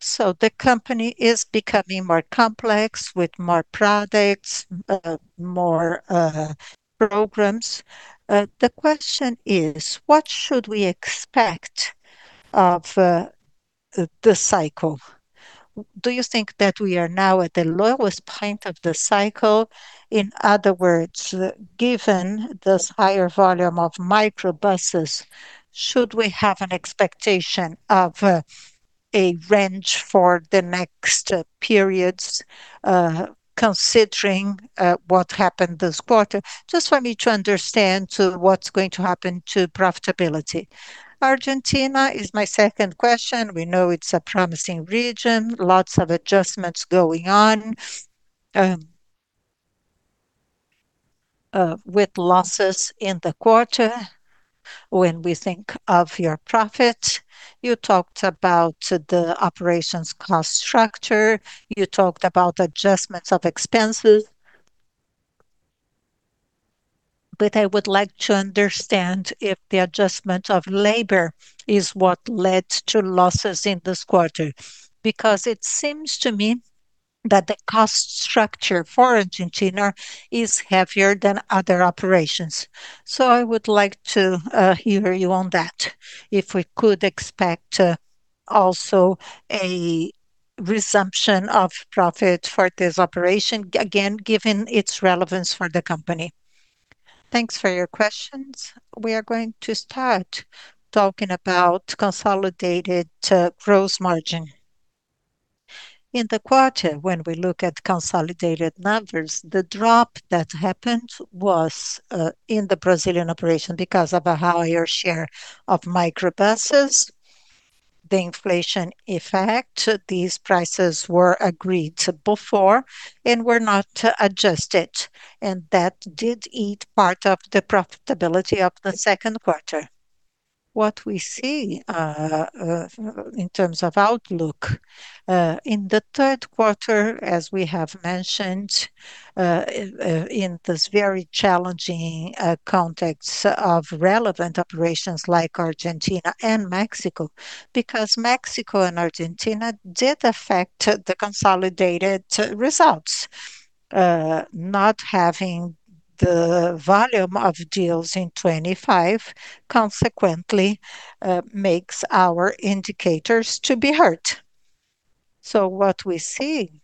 The company is becoming more complex with more products, more programs. The question is, what should we expect of the cycle? Do you think that we are now at the lowest point of the cycle? In other words, given this higher volume of micro buses, should we have an expectation of a range for the next periods, considering what happened this quarter? Just for me to understand what's going to happen to profitability. Argentina is my second question. We know it's a promising region, lots of adjustments going on with losses in the quarter. When we think of your profit, you talked about the operations cost structure, you talked about adjustments of expenses. I would like to understand if the adjustment of labor is what led to losses in this quarter, because it seems to me that the cost structure for Argentina is heavier than other operations. I would like to hear you on that, if we could expect also a resumption of profit for this operation, again, given its relevance for the company. Thanks for your questions. We are going to start talking about consolidated gross margin. In the quarter, when we look at consolidated numbers, the drop that happened was in the Brazilian operation because of a higher share of micro buses. The inflation effect, these prices were agreed before and were not adjusted, and that did eat part of the profitability of the second quarter. What we see in terms of outlook in the third quarter, as we have mentioned, in this very challenging context of relevant operations like Argentina and Mexico, because Mexico and Argentina did affect the consolidated results. Not having the volume of deals in 2025 consequently makes our indicators to be hurt. What we see,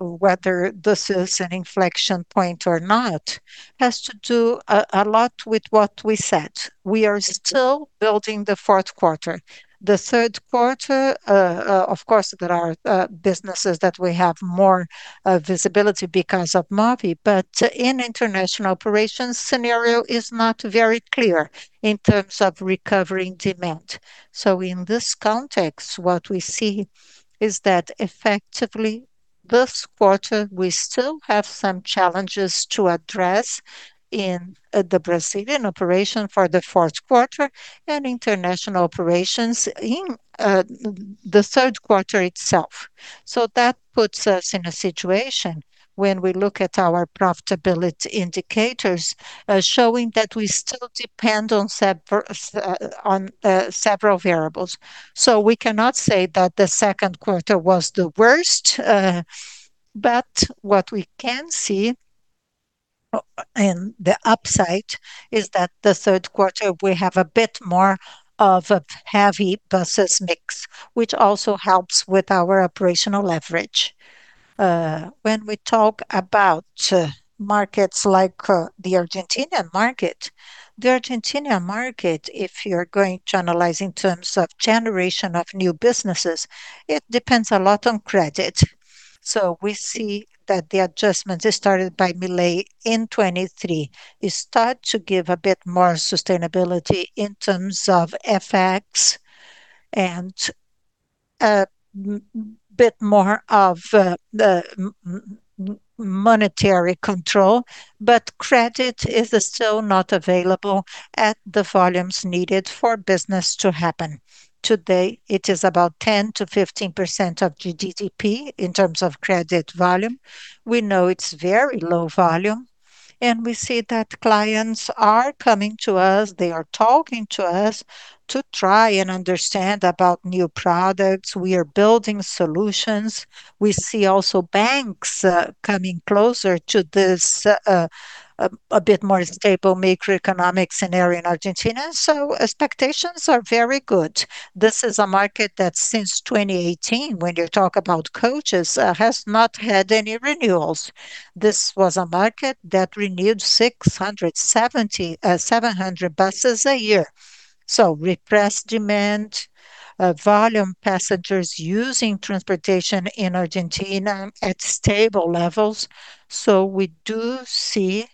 whether this is an inflection point or not, has to do a lot with what we said. We are still building the fourth quarter. The third quarter, of course, there are businesses that we have more visibility because of Marvi, but in international operations scenario is not very clear in terms of recovering demand. In this context, what we see is that effectively this quarter, we still have some challenges to address in the Brazilian operation for the fourth quarter and international operations in the third quarter itself. That puts us in a situation when we look at our profitability indicators, showing that we still depend on several variables. We cannot say that the second quarter was the worst. What we can see in the upside is that the third quarter, we have a bit more of a heavy buses mix, which also helps with our operational leverage. When we talk about markets like the Argentinian market, the Argentinian market, if you're going to analyze in terms of generation of new businesses, it depends a lot on credit. We see that the adjustments started by Milei in 2023, it start to give a bit more sustainability in terms of FX and a bit more of the monetary control. Credit is still not available at the volumes needed for business to happen. Today, it is about 10% to 15% of GDP in terms of credit volume. We know it's very low volume, and we see that clients are coming to us, they are talking to us to try and understand about new products. We are building solutions. We see also banks coming closer to this a bit more stable macroeconomic scenario in Argentina. Expectations are very good. This is a market that since 2018, when you talk about coaches, has not had any renewals. This was a market that renewed 600, 700 buses a year. Repressed demand, volume passengers using transportation in Argentina at stable levels. We do see,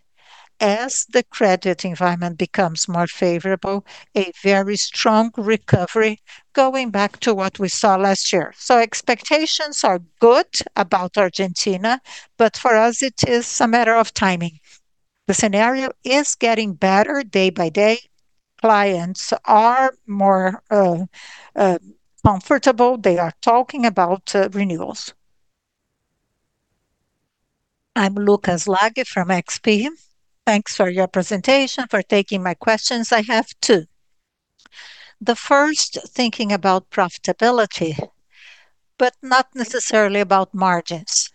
as the credit environment becomes more favorable, a very strong recovery going back to what we saw last year. Expectations are good about Argentina, but for us, it is a matter of timing. The scenario is getting better day by day. Clients are more comfortable. They are talking about renewals. I am Lucas Laghi from XP. Thanks for your presentation, for taking my questions. I have two. The first, thinking about profitability, but not necessarily about margins.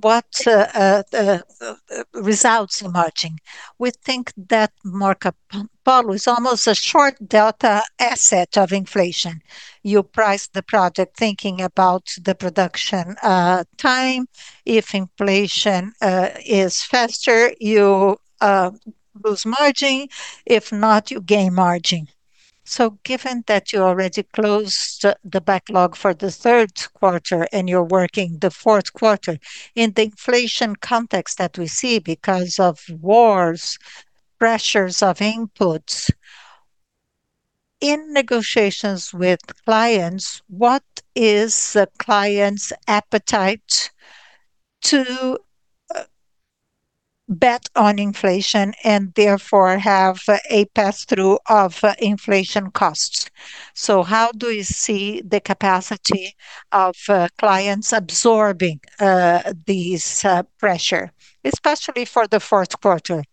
What results in margin. We think that Marcopolo is almost a short delta asset of inflation. You price the project thinking about the production time. If inflation is faster, you lose margin. If not, you gain margin. Given that you already closed the backlog for the third quarter and you're working the fourth quarter, in the inflation context that we see because of wars, pressures of inputs, in negotiations with clients, what is the client's appetite to bet on inflation and therefore have a pass-through of inflation costs? How do you see the capacity of clients absorbing this pressure, especially for the fourth quarter?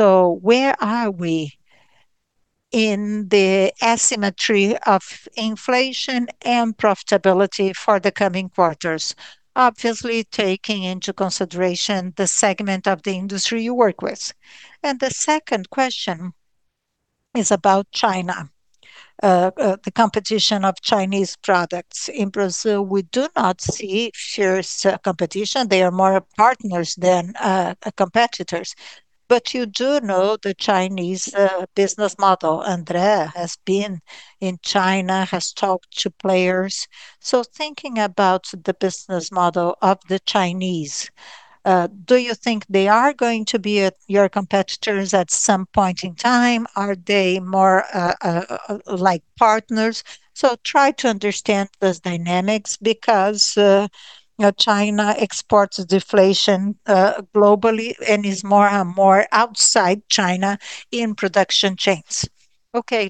Where are we in the asymmetry of inflation and profitability for the coming quarters. Obviously, taking into consideration the segment of the industry you work with. The second question is about China, the competition of Chinese products. In Brazil, we do not see serious competition. They are more partners than competitors. You do know the Chinese business model. André has been in China, has talked to players. Thinking about the business model of the Chinese, do you think they are going to be your competitors at some point in time? Are they more like partners? Try to understand those dynamics because China exports deflation globally and is more and more outside China in production chains.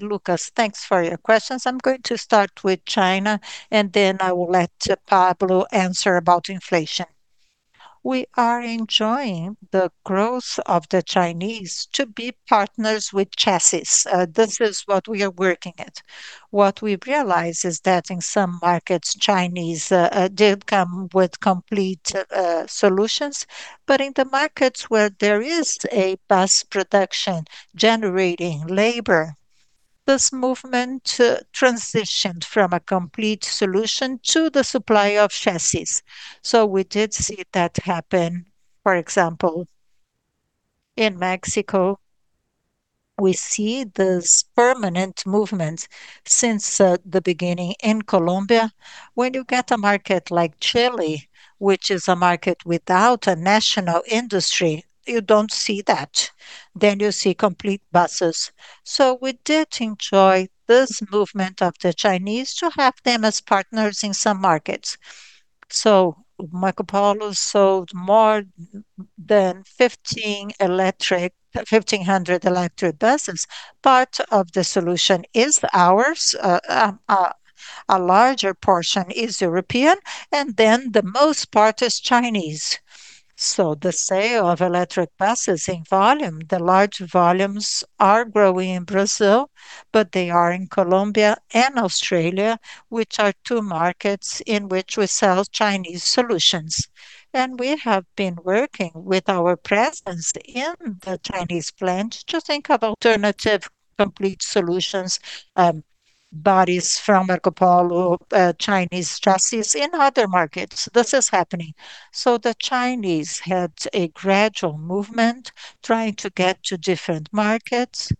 Lucas, thanks for your questions. I'm going to start with China, then I will let Pablo answer about inflation. We are enjoying the growth of the Chinese to be partners with chassis. This is what we are working at. What we've realized is that in some markets, Chinese did come with complete solutions, but in the markets where there is a bus production generating labor, this movement transitioned from a complete solution to the supply of chassis. We did see that happen. For example, in Mexico, we see this permanent movement since the beginning. In Colombia, when you get a market like Chile, which is a market without a national industry, you don't see that. You see complete buses. We did enjoy this movement of the Chinese to have them as partners in some markets. Marcopolo sold more than 1,500 electric buses. Part of the solution is ours, a larger portion is European, the most part is Chinese. The sale of electric buses in volume, the large volumes are growing in Brazil, but they are in Colombia and Australia, which are two markets in which we sell Chinese solutions. We have been working with our presence in the Chinese plant to think of alternative complete solutions, bodies from Marcopolo, Chinese chassis in other markets. This is happening. The Chinese had a gradual movement trying to get to different markets,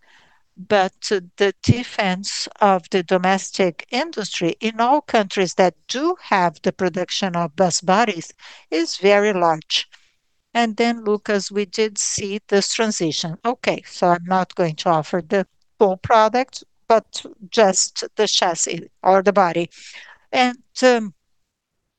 but the defense of the domestic industry in all countries that do have the production of bus bodies is very large. Lucas, we did see this transition. I'm not going to offer the full product, but just the chassis or the body.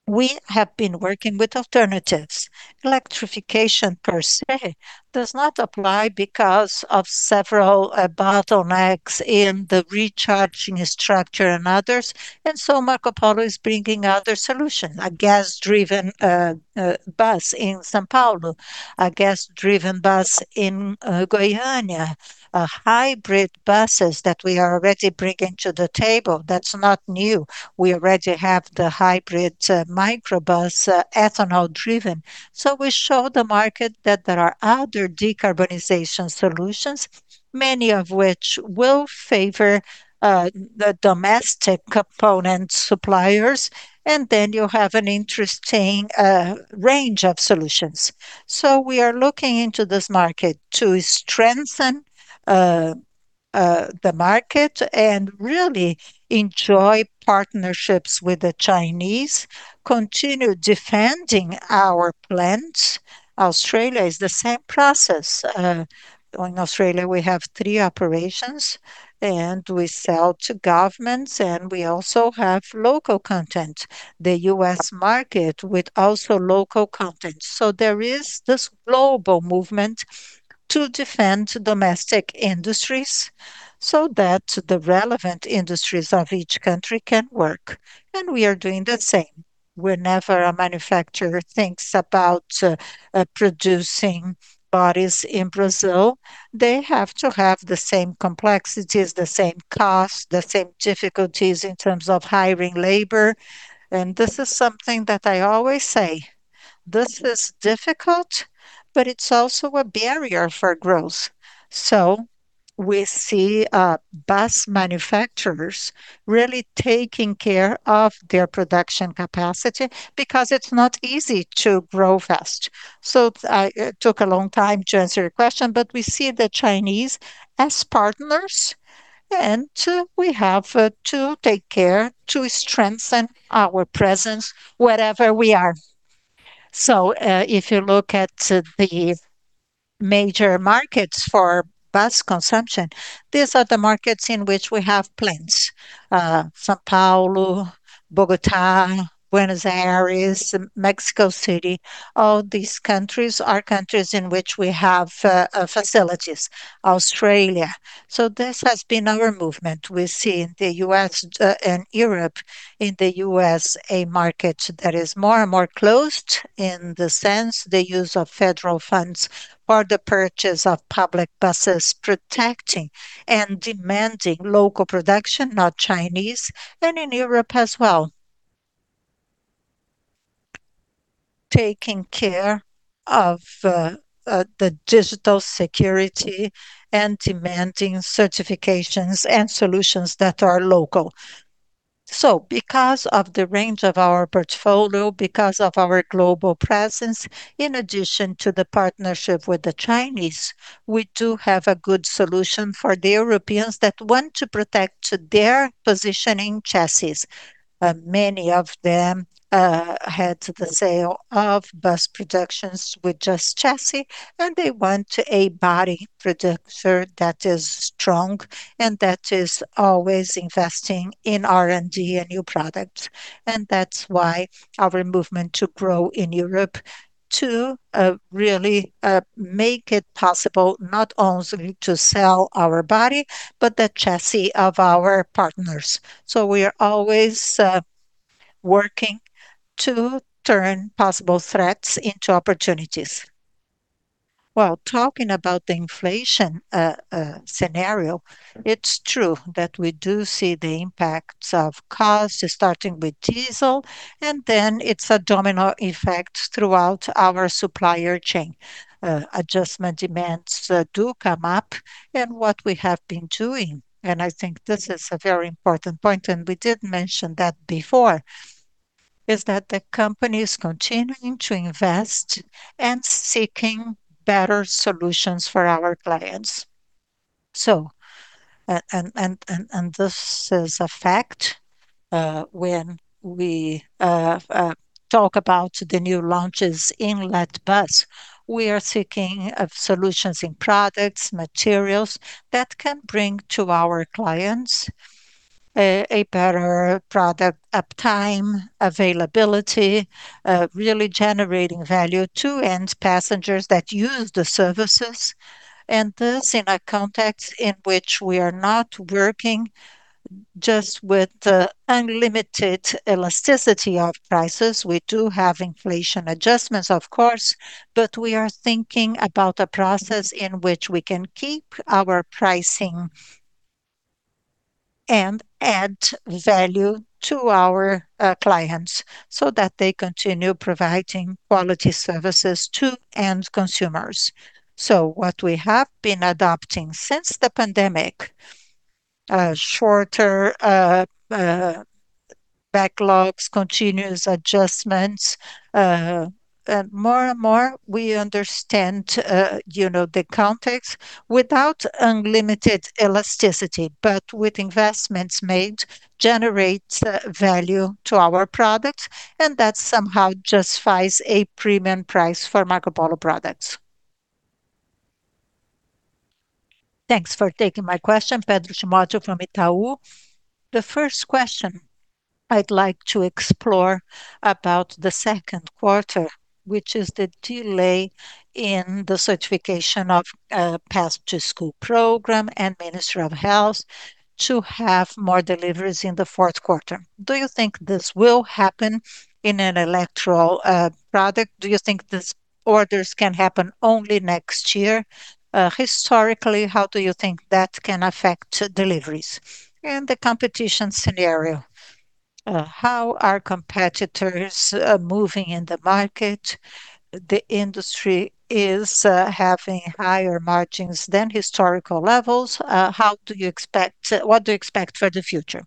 We have been working with alternatives. Electrification per se does not apply because of several bottlenecks in the recharging structure and others. Marcopolo is bringing other solution, a gas-driven bus in São Paulo, a gas-driven bus in Goiânia, hybrid buses that we are already bringing to the table. That's not new. We already have the hybrid microbus, ethanol-driven. We show the market that there are other decarbonization solutions, many of which will favor the domestic component suppliers, you have an interesting range of solutions. We are looking into this market to strengthen the market and really enjoy partnerships with the Chinese, continue defending our plants. Australia is the same process. In Australia, we have 3 operations, and we sell to governments, and we also have local content. The U.S. market with also local content. There is this global movement to defend domestic industries so that the relevant industries of each country can work. We are doing the same. Whenever a manufacturer thinks about producing bodies in Brazil, they have to have the same complexities, the same cost, the same difficulties in terms of hiring labor. This is something that I always say. This is difficult, but it's also a barrier for growth. We see bus manufacturers really taking care of their production capacity because it's not easy to grow fast. I took a long time to answer your question, but we see the Chinese as partners, and we have to take care to strengthen our presence wherever we are. If you look at the major markets for bus consumption, these are the markets in which we have plants. São Paulo, Bogotá, Buenos Aires, Mexico City. All these countries are countries in which we have facilities. Australia. This has been our movement. We see in the U.S. and Europe, in the U.S., a market that is more and more closed in the sense the use of federal funds for the purchase of public buses, protecting and demanding local production, not Chinese, and in Europe as well Taking care of the digital security and demanding certifications and solutions that are local. Because of the range of our portfolio, because of our global presence, in addition to the partnership with the Chinese, we do have a good solution for the Europeans that want to protect their positioning chassis. Many of them had the sale of bus productions with just chassis, and they want a body producer that is strong and that is always investing in R&D and new products. That's why our movement to grow in Europe to really make it possible not only to sell our body, but the chassis of our partners. We are always working to turn possible threats into opportunities. Well, talking about the inflation scenario, it's true that we do see the impacts of cost, starting with diesel, and then it's a domino effect throughout our supplier chain. Adjustment demands do come up and what we have been doing, and I think this is a very important point, and we did mention that before, is that the company is continuing to invest and seeking better solutions for our clients. This is a fact, when we talk about the new launches in Lat.Bus, we are seeking of solutions in products, materials that can bring to our clients a better product uptime, availability, really generating value to end passengers that use the services. This in a context in which we are not working just with the unlimited elasticity of prices. We do have inflation adjustments, of course, but we are thinking about a process in which we can keep our pricing and add value to our clients so that they continue providing quality services to end consumers. What we have been adopting since the pandemic, shorter backlogs, continuous adjustments, and more and more we understand the context without unlimited elasticity, but with investments made, generate value to our product, and that somehow justifies a premium price for Marcopolo products. Thanks for taking my question. Pedro Schneider from Itaú. The first question I'd like to explore about the second quarter, which is the delay in the certification of Caminho da Escola program and Ministry of Health to have more deliveries in the fourth quarter. Do you think this will happen in an electoral product? Do you think these orders can happen only next year? Historically, how do you think that can affect deliveries? And the competition scenario. How are competitors moving in the market? The industry is having higher margins than historical levels. What do you expect for the future?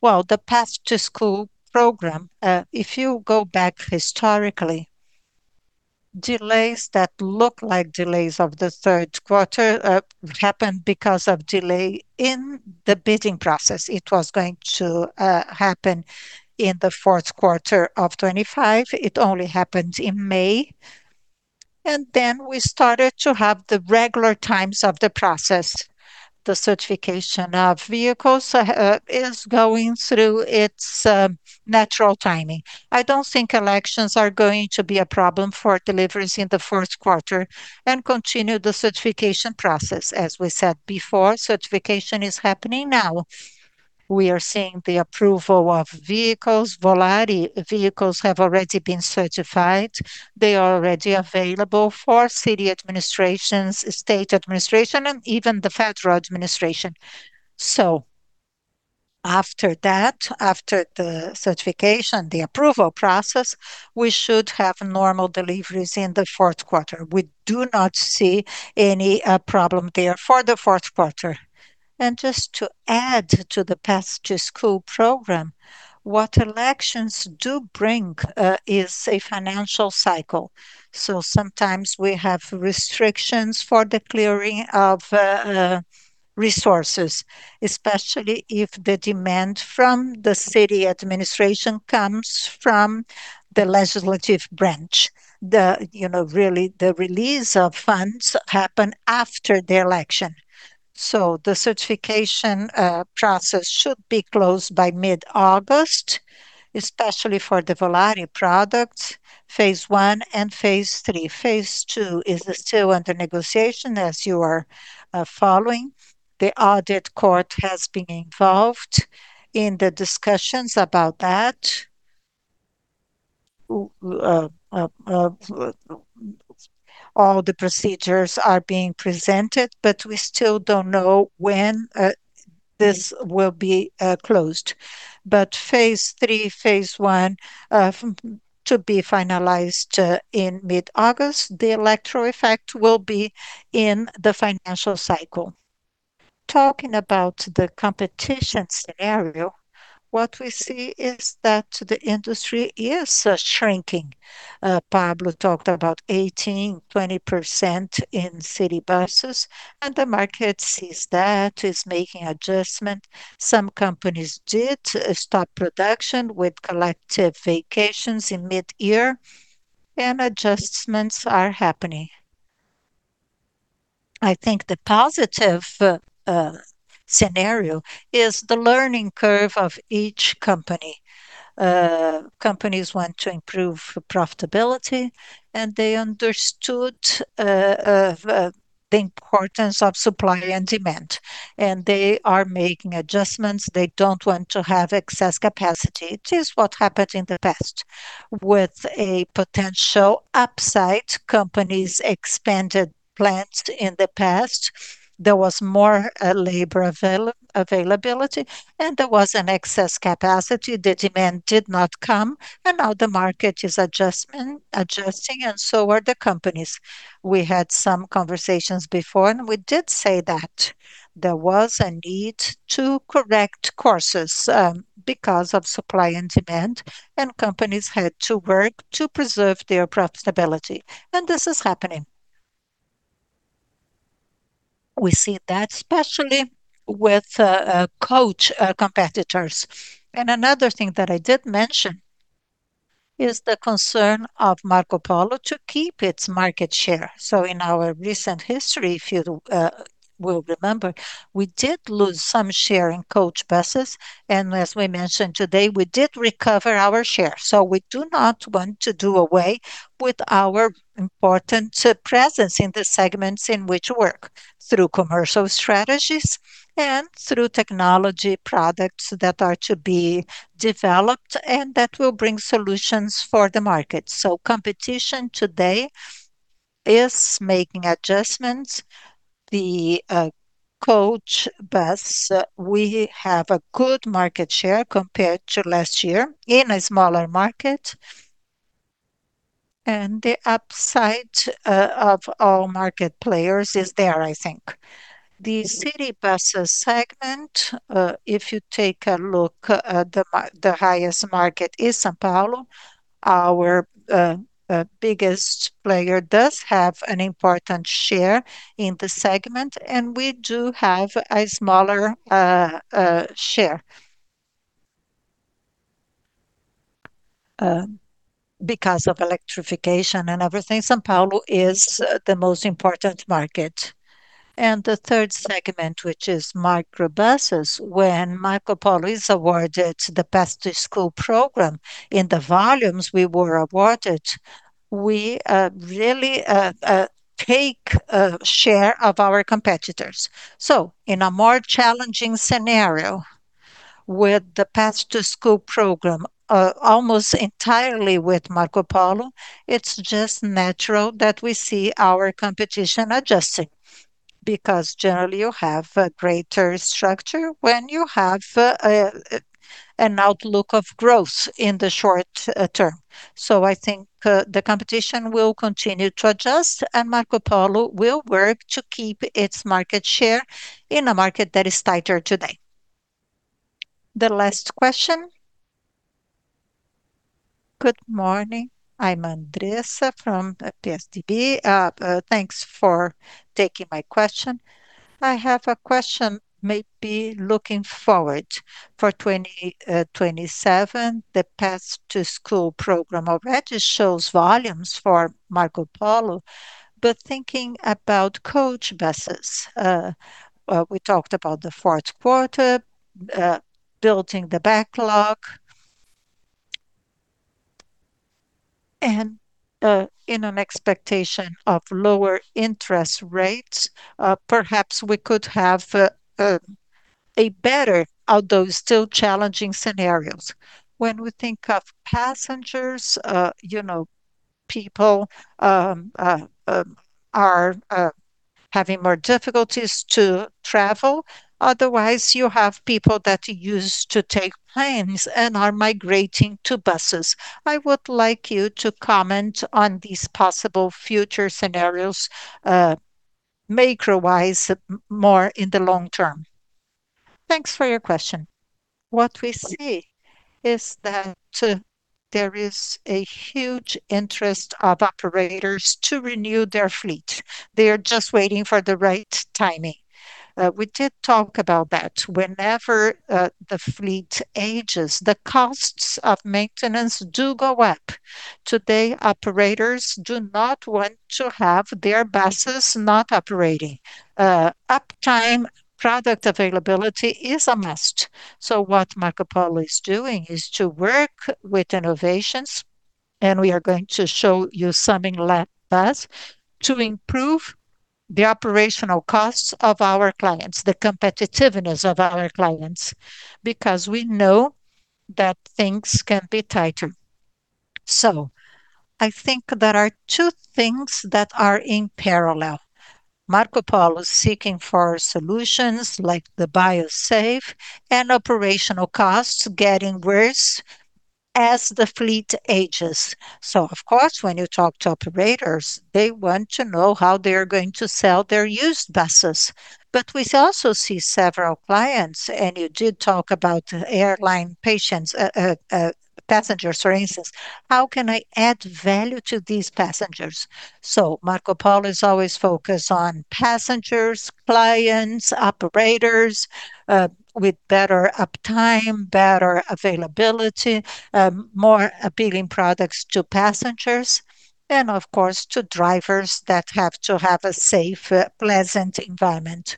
The Caminho da Escola program, if you go back historically, delays that look like delays of the third quarter happened because of delay in the bidding process. It was going to happen in the fourth quarter of 2025. It only happened in May. And then we started to have the regular times of the process. The certification of vehicles is going through its natural timing. I don't think elections are going to be a problem for deliveries in the fourth quarter and continue the certification process. As we said before, certification is happening now. We are seeing the approval of vehicles. Volare vehicles have already been certified. They are already available for city administrations, state administration, and even the federal administration. After that, after the certification, the approval process, we should have normal deliveries in the fourth quarter. We do not see any problem there for the fourth quarter. Just to add to the Caminho da Escola program, what elections do bring is a financial cycle. Sometimes we have restrictions for the clearing of resources, especially if the demand from the city administration comes from the legislative branch. The release of funds happen after the election. The certification process should be closed by mid-August, especially for the Volare products, phase II and phase III. Phase II is still under negotiation, as you are following. The audit court has been involved in the discussions about that. All the procedures are being presented, but we still don't know when this will be closed. But phase III, phase I, to be finalized in mid-August. The electoral effect will be in the financial cycle. About the competition scenario, what we see is that the industry is shrinking. Pablo Motta talked about 18, 20% in city buses, and the market sees that, is making adjustment. Some companies did stop production with collective vacations in mid-year, and adjustments are happening. I think the positive scenario is the learning curve of each company. Companies want to improve profitability, and they understood the importance of supply and demand, and they are making adjustments. They don't want to have excess capacity. It is what happened in the past with a potential upside. Companies expanded plans in the past. There was more labor availability and there was an excess capacity. The demand did not come, and now the market is adjusting, and so are the companies. We had some conversations before, and we did say that there was a need to correct courses because of supply and demand, and companies had to work to preserve their profitability. And this is happening. We see that especially with coach competitors. Another thing that I did mention is the concern of Marcopolo to keep its market share. In our recent history, if you will remember, we did lose some share in coach buses. As we mentioned today, we did recover our share. We do not want to do away with our important presence in the segments in which we work through commercial strategies and through technology products that are to be developed and that will bring solutions for the market. Competition today is making adjustments. The coach bus, we have a good market share compared to last year in a smaller market. The upside of all market players is there, I think. The city buses segment, if you take a look at the highest market is São Paulo. Our biggest player does have an important share in the segment, and we do have a smaller share. Because of electrification and everything, São Paulo is the most important market. The third segment, which is micro buses, when Marcopolo is awarded the Caminho da Escola program in the volumes we were awarded, we really take a share of our competitors. In a more challenging scenario with the Caminho da Escola program, almost entirely with Marcopolo, it's just natural that we see our competition adjusting. Because generally you have a greater structure when you have an outlook of growth in the short term. I think the competition will continue to adjust and Marcopolo will work to keep its market share in a market that is tighter today. The last question. Good morning. I'm Andressa from PSDB. Thanks for taking my question. I have a question, maybe looking forward for 2027. The Caminho da Escola program already shows volumes for Marcopolo, but thinking about coach buses. We talked about the fourth quarter, building the backlog, and in an expectation of lower interest rates, perhaps we could have a better, although still challenging scenarios. When we think of passengers, people are having more difficulties to travel. Otherwise, you have people that used to take planes and are migrating to buses. I would like you to comment on these possible future scenarios, macro-wise, more in the long term. Thanks for your question. What we see is that there is a huge interest of operators to renew their fleet. They are just waiting for the right timing. We did talk about that. Whenever the fleet ages, the costs of maintenance do go up. Today, operators do not want to have their buses not operating. Uptime, product availability is a must. What Marcopolo is doing is to work with innovations, and we are going to show you something less, bus, to improve the operational costs of our clients, the competitiveness of our clients, because we know that things can be tighter. I think there are two things that are in parallel. Marcopolo is seeking for solutions like the Marcopolo BioSafe and operational costs getting worse as the fleet ages. Of course, when you talk to operators, they want to know how they're going to sell their used buses. We also see several clients, and you did talk about airline passengers, for instance. How can I add value to these passengers? Marcopolo is always focused on passengers, clients, operators, with better uptime, better availability, more appealing products to passengers and of course to drivers that have to have a safe, pleasant environment.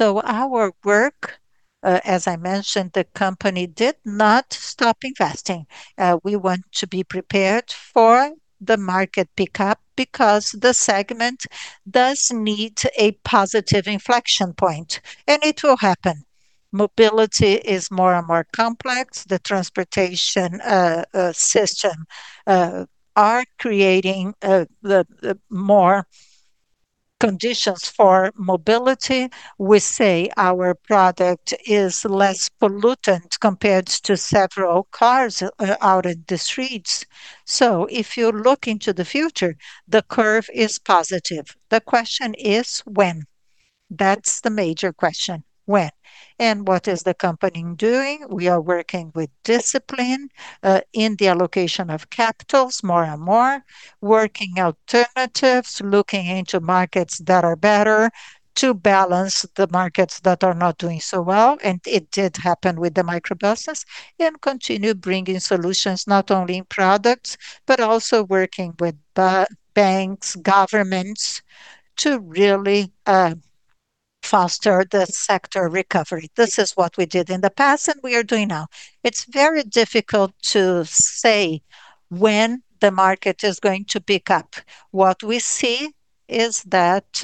Our work, as I mentioned, the company did not stop investing. We want to be prepared for the market pickup because the segment does need a positive inflection point, and it will happen. Mobility is more and more complex. The transportation system are creating more conditions for mobility. We say our product is less pollutant compared to several cars out in the streets. If you look into the future, the curve is positive. The question is when. That's the major question, when. What is the company doing? We are working with discipline in the allocation of capitals, more and more, working alternatives, looking into markets that are better to balance the markets that are not doing so well. It did happen with the microbuses. Continue bringing solutions not only in products, but also working with banks, governments to really foster the sector recovery. This is what we did in the past and we are doing now. It's very difficult to say when the market is going to pick up. What we see is that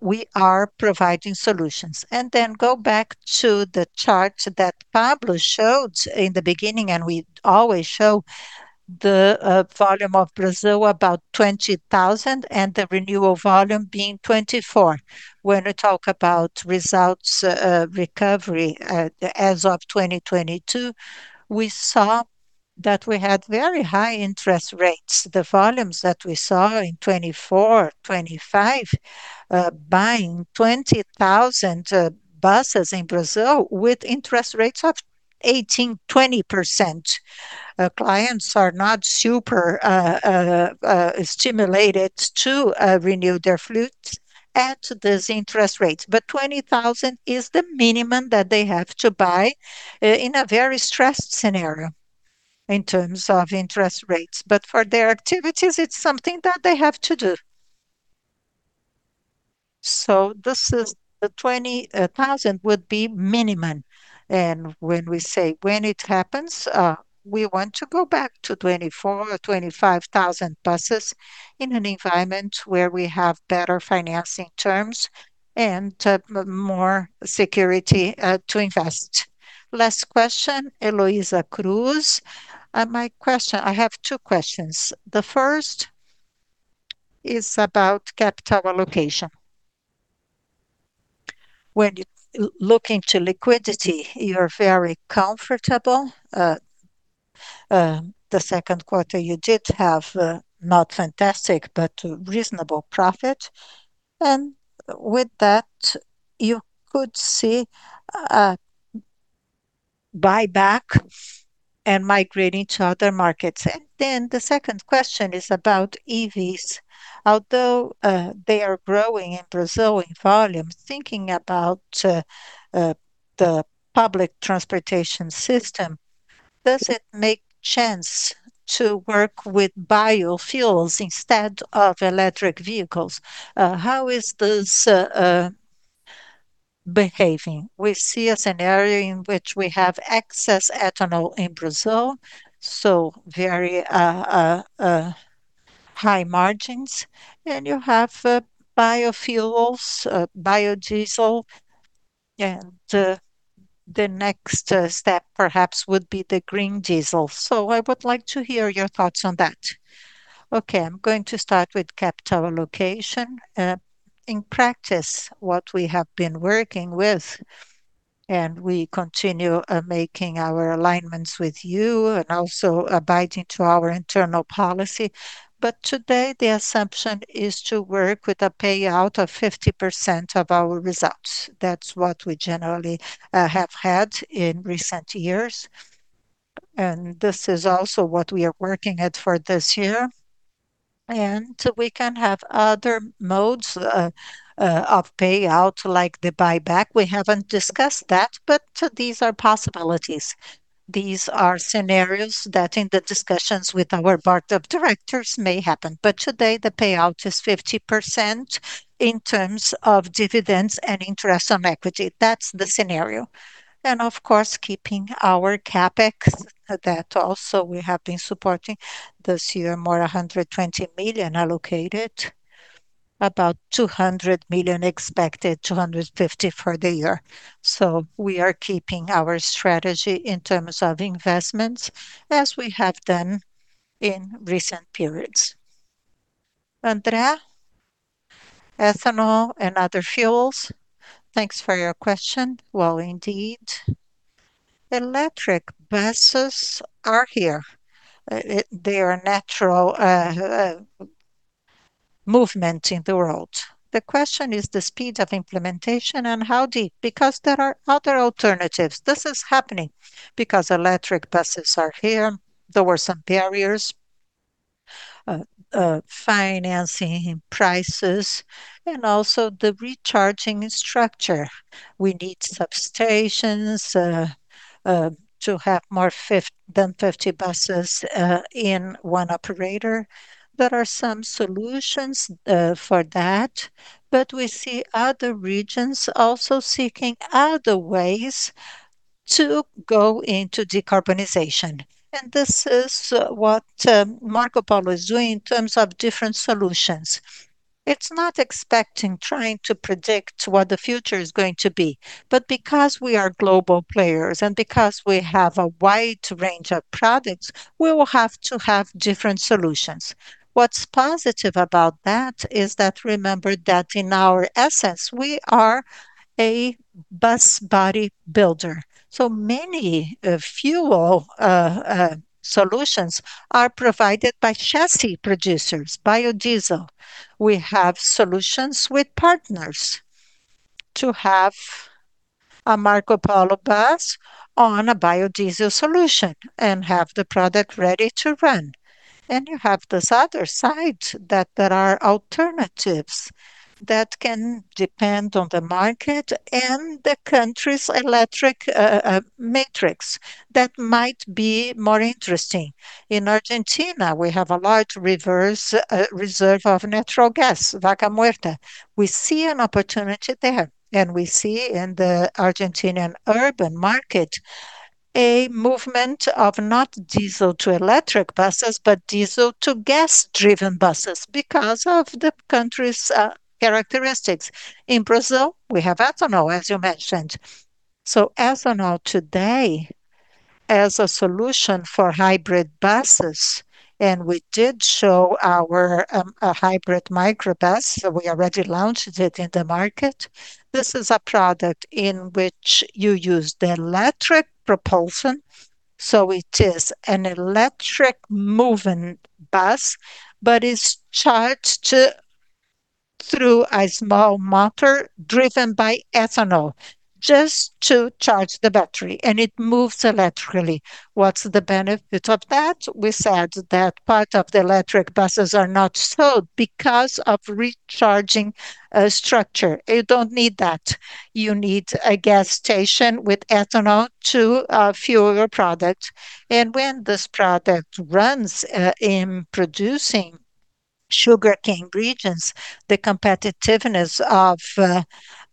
we are providing solutions. Go back to the chart that Pablo showed in the beginning. We always show the volume of Brazil, about 20,000, and the renewal volume being 24. We talk about results recovery as of 2022. We saw that we had very high interest rates. The volumes that we saw in 2024, 2025, buying 20,000 buses in Brazil with interest rates of 18%, 20%. Clients are not super stimulated to renew their fleets at these interest rates. 20,000 is the minimum that they have to buy in a very stressed scenario in terms of interest rates. For their activities, it's something that they have to do. This is the 20,000 would be minimum. When we say when it happens, we want to go back to 24,000 or 25,000 buses in an environment where we have better financing terms and more security to invest. Last question, Eloisa Cruz. "I have two questions. The first is about capital allocation. When you look into liquidity, you're very comfortable. The second quarter, you did have, not fantastic, but reasonable profit. With that you could see a buyback and migrating to other markets. The second question is about EVs. Although they are growing in Brazil in volume, thinking about the public transportation system, does it make sense to work with biofuels instead of electric vehicles? How is this behaving? We see a scenario in which we have excess ethanol in Brazil, very high margins. You have biofuels, biodiesel, and the next step perhaps would be the green diesel. I would like to hear your thoughts on that." Okay, I'm going to start with capital allocation. In practice, what we have been working with. We continue making our alignments with you and also abiding to our internal policy. Today the assumption is to work with a payout of 50% of our results. That's what we generally have had in recent years. This is also what we are working at for this year. We can have other modes of payout like the buyback. We haven't discussed that, but these are possibilities. These are scenarios that in the discussions with our board of directors may happen. Today the payout is 50% in terms of dividends and interest on equity. That's the scenario. Of course, keeping our CapEx that also we have been supporting this year, more 120 million allocated. About 200 million expected, 250 million for the year. We are keeping our strategy in terms of investments as we have done in recent periods. André. Ethanol and other fuels. Thanks for your question. Indeed, electric buses are here. They are a natural movement in the world. The question is the speed of implementation and how deep, because there are other alternatives. This is happening because electric buses are here. There were some barriers, financing prices, and also the recharging structure. We need substations to have more than 50 buses in one operator. There are some solutions for that, but we see other regions also seeking other ways to go into decarbonization. This is what Marcopolo is doing in terms of different solutions. It's not expecting trying to predict what the future is going to be. Because we are global players and because we have a wide range of products, we will have to have different solutions. What's positive about that is that remember that in our essence, we are a bus body builder. Many fuel solutions are provided by chassis producers, biodiesel. We have solutions with partners to have a Marcopolo bus on a biodiesel solution and have the product ready to run. You have this other side that there are alternatives that can depend on the market and the country's electric matrix that might be more interesting. In Argentina, we have a large reserve of natural gas, Vaca Muerta. We see an opportunity there. We see in the Argentinian urban market a movement of not diesel to electric buses, but diesel to gas-driven buses because of the country's characteristics. In Brazil, we have ethanol, as you mentioned. Ethanol today as a solution for hybrid buses. We did show our hybrid microbus. We already launched it in the market. This is a product in which you use the electric propulsion. It is an electric moving bus, but it's charged through a small motor driven by ethanol just to charge the battery. It moves electrically. What's the benefit of that? We said that part of the electric buses are not sold because of recharging structure. You don't need that. You need a gas station with ethanol to fuel your product. When this product runs in producing sugarcane regions, the competitiveness of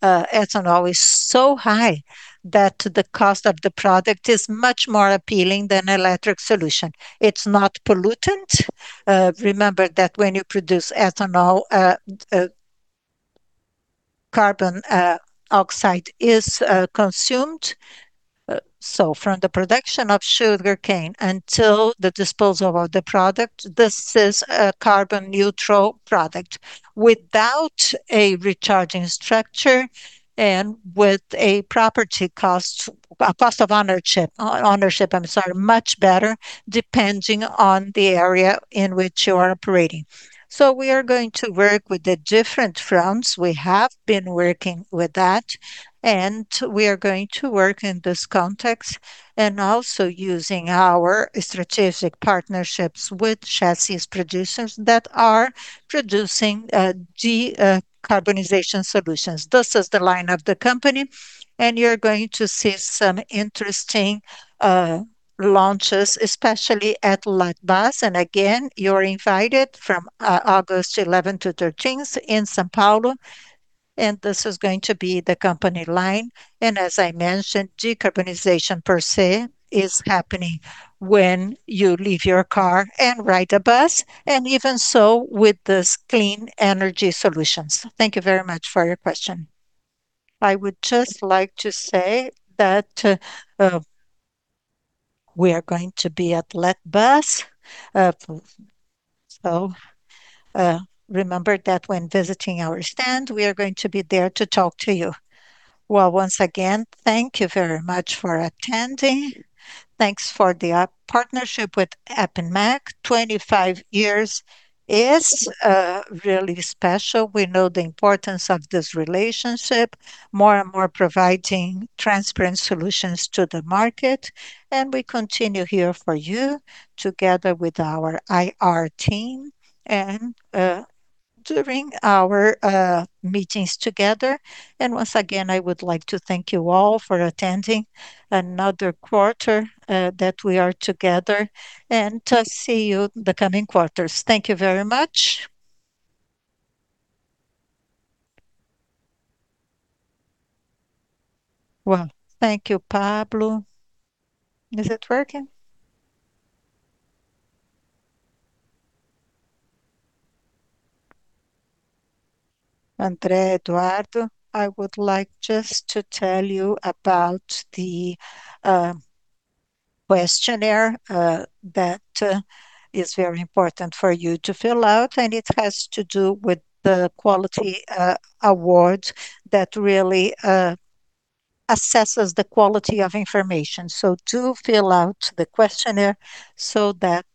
ethanol is so high that the cost of the product is much more appealing than electric solution. It's not pollutant. Remember that when you produce ethanol, carbon oxide is consumed. From the production of sugarcane until the disposal of the product, this is a carbon-neutral product without a recharging structure and with a cost of ownership, I'm sorry, much better depending on the area in which you are operating. We are going to work with the different fronts. We have been working with that. We are going to work in this context and also using our strategic partnerships with chassis producers that are producing decarbonization solutions. This is the line of the company. You're going to see some interesting launches, especially at Lat.Bus. Again, you're invited from August 11 to 13th in São Paulo, this is going to be the company line. As I mentioned, decarbonization per se is happening when you leave your car and ride a bus, even so with these clean energy solutions. Thank you very much for your question. I would just like to say that we are going to be at Lat.Bus. Remember that when visiting our stand, we are going to be there to talk to you. Once again, thank you very much for attending. Thanks for the partnership with APIMEC. 25 years is really special. We know the importance of this relationship, more and more providing transparent solutions to the market, we continue here for you together with our IR team and during our meetings together. Once again, I would like to thank you all for attending another quarter that we are together, to see you the coming quarters. Thank you very much. Thank you, Pablo. Is it working? André Eduardo, I would like just to tell you about the questionnaire that is very important for you to fill out, it has to do with the quality award that really assesses the quality of information. Do fill out the questionnaire so that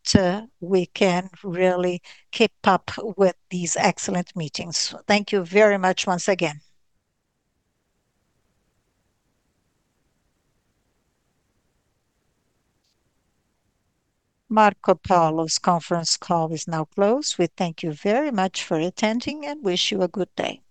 we can really keep up with these excellent meetings. Thank you very much once again. Marcopolo's conference call is now closed. We thank you very much for attending and wish you a good day.